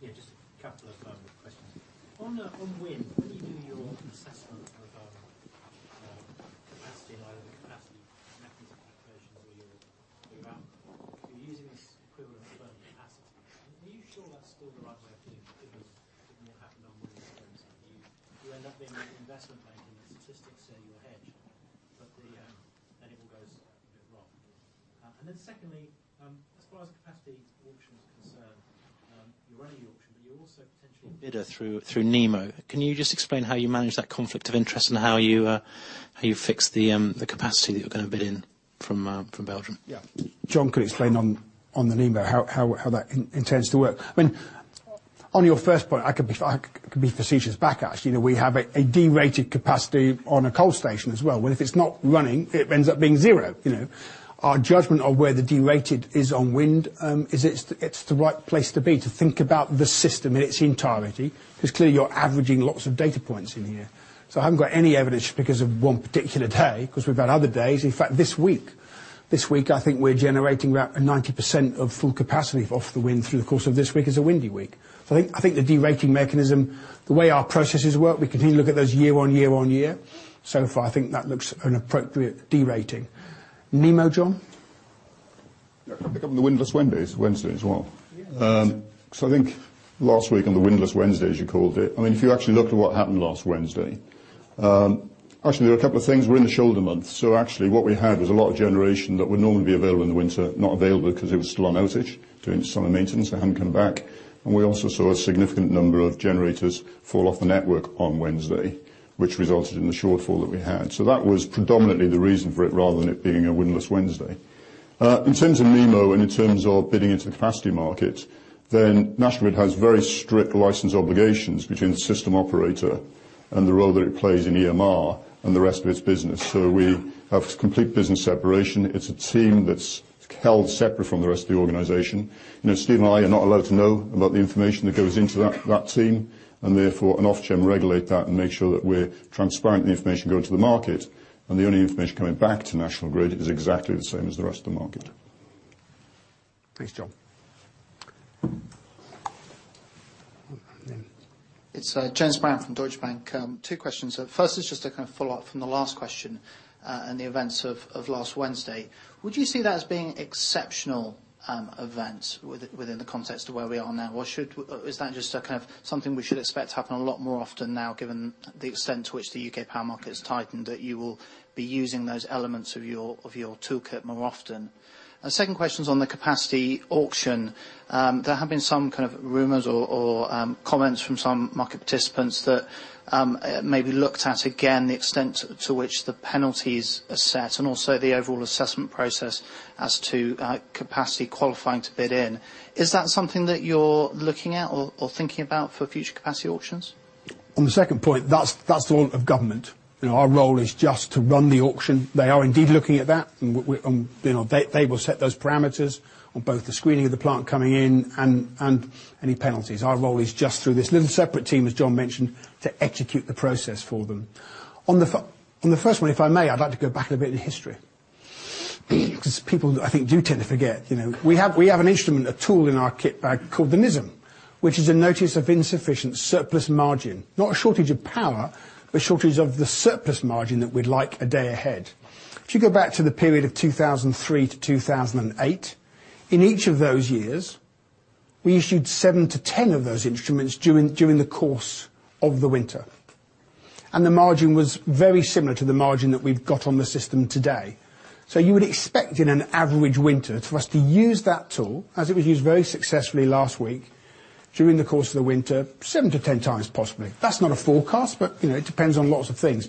Yeah. Just a couple of questions. On wind, when you do your assessment of capacity and either the capacity and equity conversions or your output, you're using this equivalent of capacity. Are you sure that's still the right way of doing it? Because it will happen on wind terms. You end up being an investment bank, and the statistics say you're hedged, but then it all goes a bit wrong. And then secondly, as far as capacity auction is concerned, you're running the auction, but you're also potentially a bidder through NEMO. Can you just explain how you manage that conflict of interest and how you fix the capacity that you're going to bid in from Belgium? Yeah. John can explain on the NEMO how that intends to work. I mean, on your first point, I can be facetious back, actually. We have a de-rated capacity on a coal station as well. If it's not running, it ends up being zero. Our judgment of where the de-rated is on wind, it's the right place to be to think about the system in its entirety. Because clearly, you're averaging lots of data points in here. I haven't got any evidence because of one particular day, because we've had other days. In fact, this week, I think we're generating about 90% of full capacity off the wind through the course of this week as a windy week. I think the de-rating mechanism, the way our processes work, we continue to look at those year on year on year. So far, I think that looks an appropriate de-rating. NEMO, John? I pick up on the windless Wednesday as well. So, I think last week on the windless Wednesday, as you called it, I mean, if you actually looked at what happened last Wednesday, actually, there were a couple of things. We're in the shoulder month. So actually, what we had was a lot of generation that would normally be available in the winter, not available because it was still on outage during the summer maintenance. They hadn't come back. And we also saw a significant number of generators fall off the network on Wednesday, which resulted in the shortfall that we had. So that was predominantly the reason for it rather than it being a windless Wednesday. In terms of NEMO and in terms of bidding into the capacity market, then National Grid has very strict license obligations between the system operator and the role that it plays in EMR and the rest of its business. We have complete business separation. It's a team that's held separate from the rest of the organization. Steve and I are not allowed to know about the information that goes into that team. And therefore, Ofgem regulates that and makes sure that we're transparent in the information going to the market. And the only information coming back to National Grid is exactly the same as the rest of the market. Thanks, John. It's James Brown from Deutsche Bank. Two questions. First is just a kind of follow-up from the last question and the events of last Wednesday. Would you see that as being exceptional events within the context of where we are now? Or is that just kind of something we should expect to happen a lot more often now, given the extent to which the U.K. power market has tightened, that you will be using those elements of your toolkit more often? And the second question is on the capacity auction. There have been some kind of rumors or comments from some market participants that maybe looked at again the extent to which the penalties are set and also the overall assessment process as to capacity qualifying to bid in. Is that something that you're looking at or thinking about for future capacity auctions? On the second point, that's the role of government. Our role is just to run the auction. They are indeed looking at that. They will set those parameters on both the screening of the plant coming in and any penalties. Our role is just through this little separate team, as John mentioned, to execute the process for them. On the first one, if I may, I'd like to go back a little bit in history. Because people, I think, do tend to forget. We have an instrument, a tool in our kit bag called the NISM, which is a notice of insufficient system margin. Not a shortage of power, but a shortage of the surplus margin that we'd like a day ahead. If you go back to the period of 2003 to 2008, in each of those years, we issued seven to 10 of those instruments during the course of the winter. And the margin was very similar to the margin that we've got on the system today. You would expect in an average winter for us to use that tool, as it was used very successfully last week during the course of the winter, seven to 10 times possibly. That's not a forecast, but it depends on lots of things.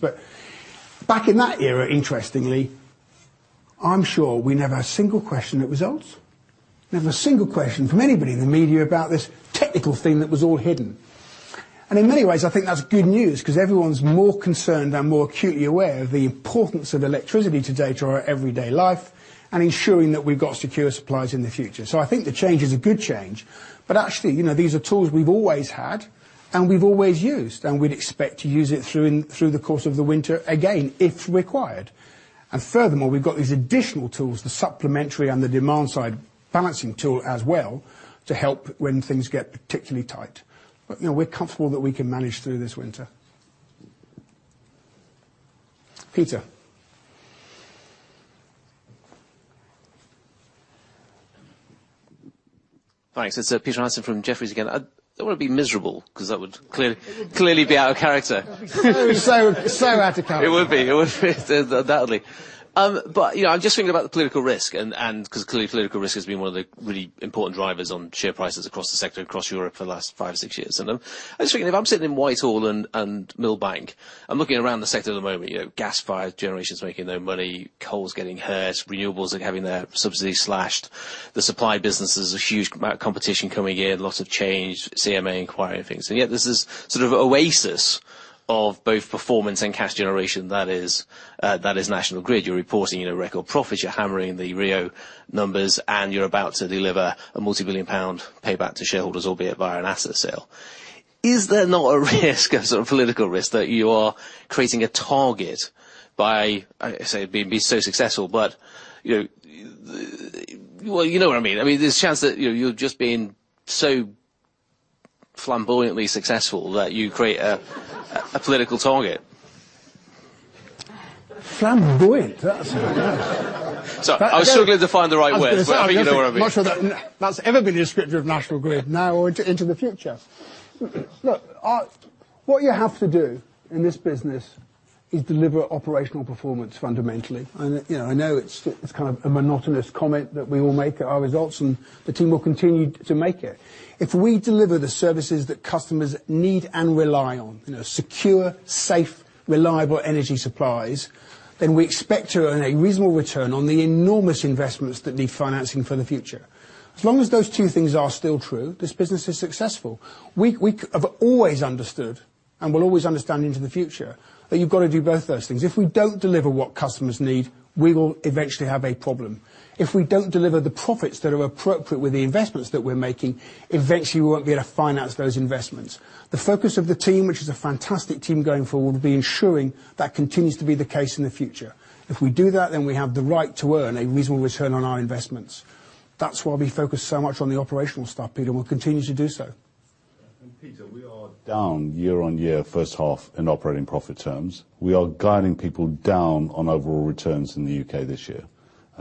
Back in that era, interestingly, I'm sure we never had a single question that arose. Never a single question from anybody in the media about this technical thing that was all hidden. In many ways, I think that's good news because everyone's more concerned and more acutely aware of the importance of electricity today to our everyday life and ensuring that we've got secure supplies in the future. I think the change is a good change. Actually, these are tools we've always had and we've always used. We'd expect to use it through the course of the winter again, if required. Furthermore, we've got these additional tools, the supplementary and the demand-side balancing tool as well, to help when things get particularly tight. But we're comfortable that we can manage through this winter. Peter. Thanks. It's Peter Atherton from Jefferies again. I don't want to be miserable because that would clearly be out of character. So out of character. It would be. But I'm just thinking about the political risk. Because clearly, political risk has been one of the really important drivers on share prices across the sector, across Europe for the last five or six years. I'm just thinking, if I'm sitting in Whitehall and Millbank, I'm looking around the sector at the moment. Gas-fired generation is making no money. Coal is getting hurt. Renewables are having their subsidies slashed. The supply business is a huge competition coming in. Lots of change. CMA inquiry and things. And yet this is sort of an oasis of both performance and cash generation that is National Grid. You're reporting record profits. You're hammering the RIIO numbers. And you're about to deliver a multi-billion-pound payback to shareholders, albeit via an asset sale. Is there not a risk, a sort of political risk, that you are creating a target by, say, being so successful? But you know what I mean. I mean, there's a chance that you're just being so flamboyantly successful that you create a political target. Flamboyant. That's a good word. Sorry. I was struggling to find the right words. But I think you know what I mean. That's ever been the descriptor of National Grid now or into the future. Look, what you have to do in this business is deliver operational performance fundamentally. I know it's kind of a monotonous comment that we will make at our results, and the team will continue to make it. If we deliver the services that customers need and rely on, secure, safe, reliable energy supplies, then we expect to earn a reasonable return on the enormous investments that need financing for the future. As long as those two things are still true, this business is successful. We have always understood, and we'll always understand into the future, that you've got to do both those things. If we don't deliver what customers need, we will eventually have a problem. If we don't deliver the profits that are appropriate with the investments that we're making, eventually, we won't be able to finance those investments. The focus of the team, which is a fantastic team going forward, will be ensuring that continues to be the case in the future. If we do that, then we have the right to earn a reasonable return on our investments. That's why we focus so much on the operational stuff, Peter, and we'll continue to do so, and, Peter, we are down year on year, first half, in operating profit terms. We are guiding people down on overall returns in the UK this year,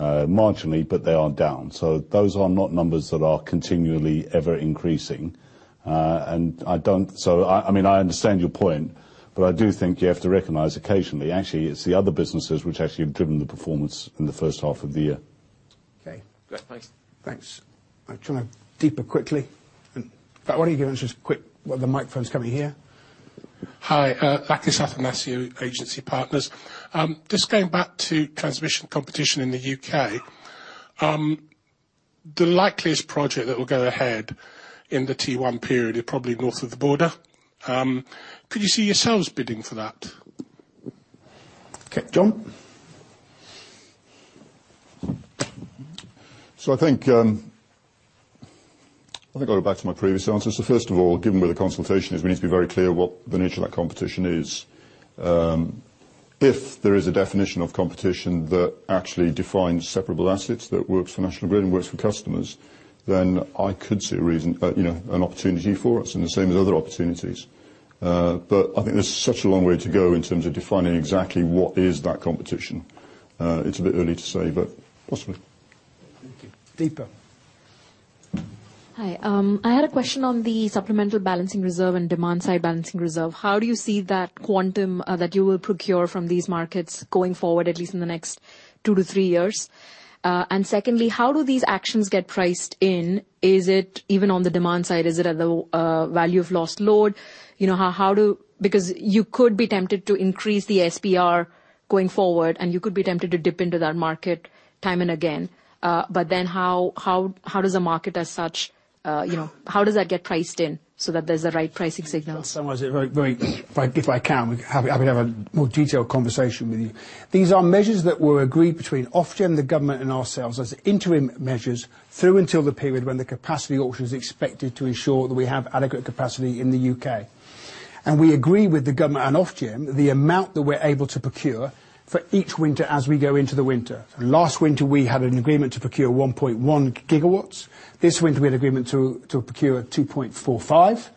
marginally, but they are down, so those are not numbers that are continually ever increasing, and I don't, so I mean, I understand your point, but I do think you have to recognize occasionally, actually, it's the other businesses which actually have driven the performance in the first half of the year. Okay. Great. Thanks. Thanks. I'll jump in deeper quickly. In fact, why don't you give us just a quick, well, the microphone's coming here. Hi. Lakis Athanasiou from Agency Partners. Just going back to transmission competition in the UK, the likeliest project that will go ahead in the T1 period is probably North of the Border. Could you see yourselves bidding for that? Okay. John? So I think I'll go back to my previous answer. So first of all, given where the consultation is, we need to be very clear what the nature of that competition is. If there is a definition of competition that actually defines separable assets that works for National Grid and works for customers, then I could see an opportunity for us, and the same as other opportunities. But I think there's such a long way to go in terms of defining exactly what is that competition. It's a bit early to say, but possibly. Thank you. Deepa. Hi. I had a question on the Supplemental Balancing Reserve and Demand Side Balancing Reserve. How do you see that quantum that you will procure from these markets going forward, at least in the next two to three years? And secondly, how do these actions get priced in? Is it even on the demand side? Is it at the value of lost load? Because you could be tempted to increase the SBR going forward, and you could be tempted to dip into that market time and again. But then how does a market as such, how does that get priced in so that there's the right pricing signal? In some ways, if I can, I could have a more detailed conversation with you. These are measures that were agreed between Ofgem, the government, and ourselves as interim measures through until the period when the capacity auction is expected to ensure that we have adequate capacity in the UK, and we agree with the government and Ofgem the amount that we're able to procure for each winter as we go into the winter. Last winter, we had an agreement to procure 1.1 gigawatts. This winter, we had an agreement to procure 2.45.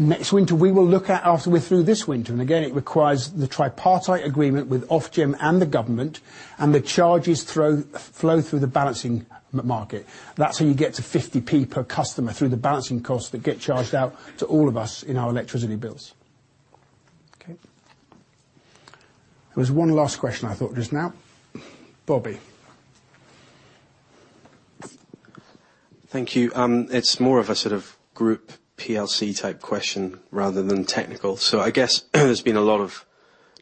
Next winter, we will look at after we're through this winter, and again, it requires the tripartite agreement with Ofgem and the government, and the charges flow through the balancing market. That's how you get to 50p per customer through the balancing costs that get charged out to all of us in our electricity bills. Okay. There was one last question I thought just now. Bobby. Thank you. It's more of a sort of group PLC type question rather than technical. So I guess there's been a lot of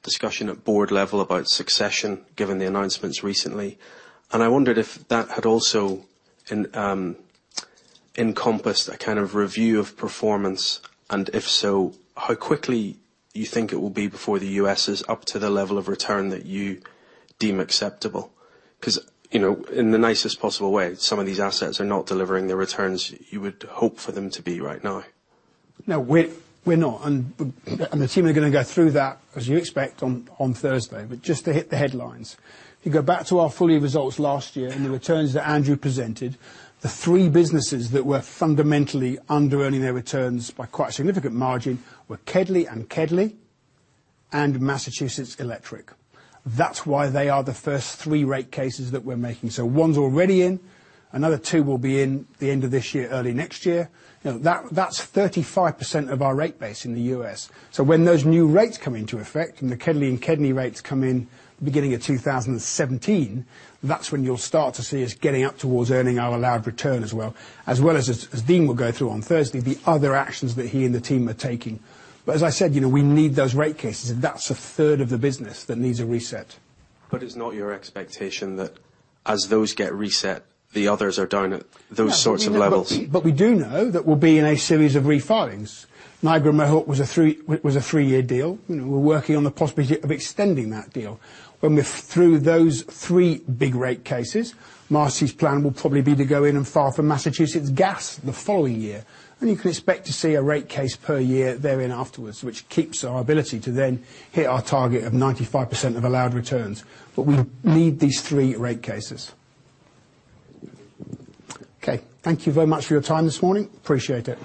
discussion at board level about succession given the announcements recently. And I wondered if that had also encompassed a kind of review of performance. And if so, how quickly you think it will be before the U.S. is up to the level of return that you deem acceptable? Because in the nicest possible way, some of these assets are not delivering the returns you would hope for them to be right now. No, we're not. And the team are going to go through that, as you expect, on Thursday. But just to hit the headlines, if you go back to our full results last year and the returns that Andrew presented, the three businesses that were fundamentally under-earning their returns by quite a significant margin were KEDLI and KEDNY and Massachusetts Electric. That's why they are the first three rate cases that we're making. So one's already in. Another two will be in the end of this year, early next year. That's 35% of our rate base in the U.S. So when those new rates come into effect and the KEDLI and KEDNY rates come in the beginning of 2017, that's when you'll start to see us getting up towards earning our allowed return as well, as well as as Dean will go through on Thursday, the other actions that he and the team are taking. But as I said, we need those rate cases. That's a third of the business that needs a reset. But it's not your expectation that as those get reset, the others are down at those sorts of levels. But we do know that we'll be in a series of refilings. Niagara Mohawk was a three-year deal. We're working on the possibility of extending that deal. When we're through those three big rate cases, Marcy's plan will probably be to go in and file for Massachusetts Gas the following year. And you can expect to see a rate case per year therein afterwards, which keeps our ability to then hit our target of 95% of allowed returns. But we need these three rate cases. Okay. Thank you very much for your time this morning. Appreciate it.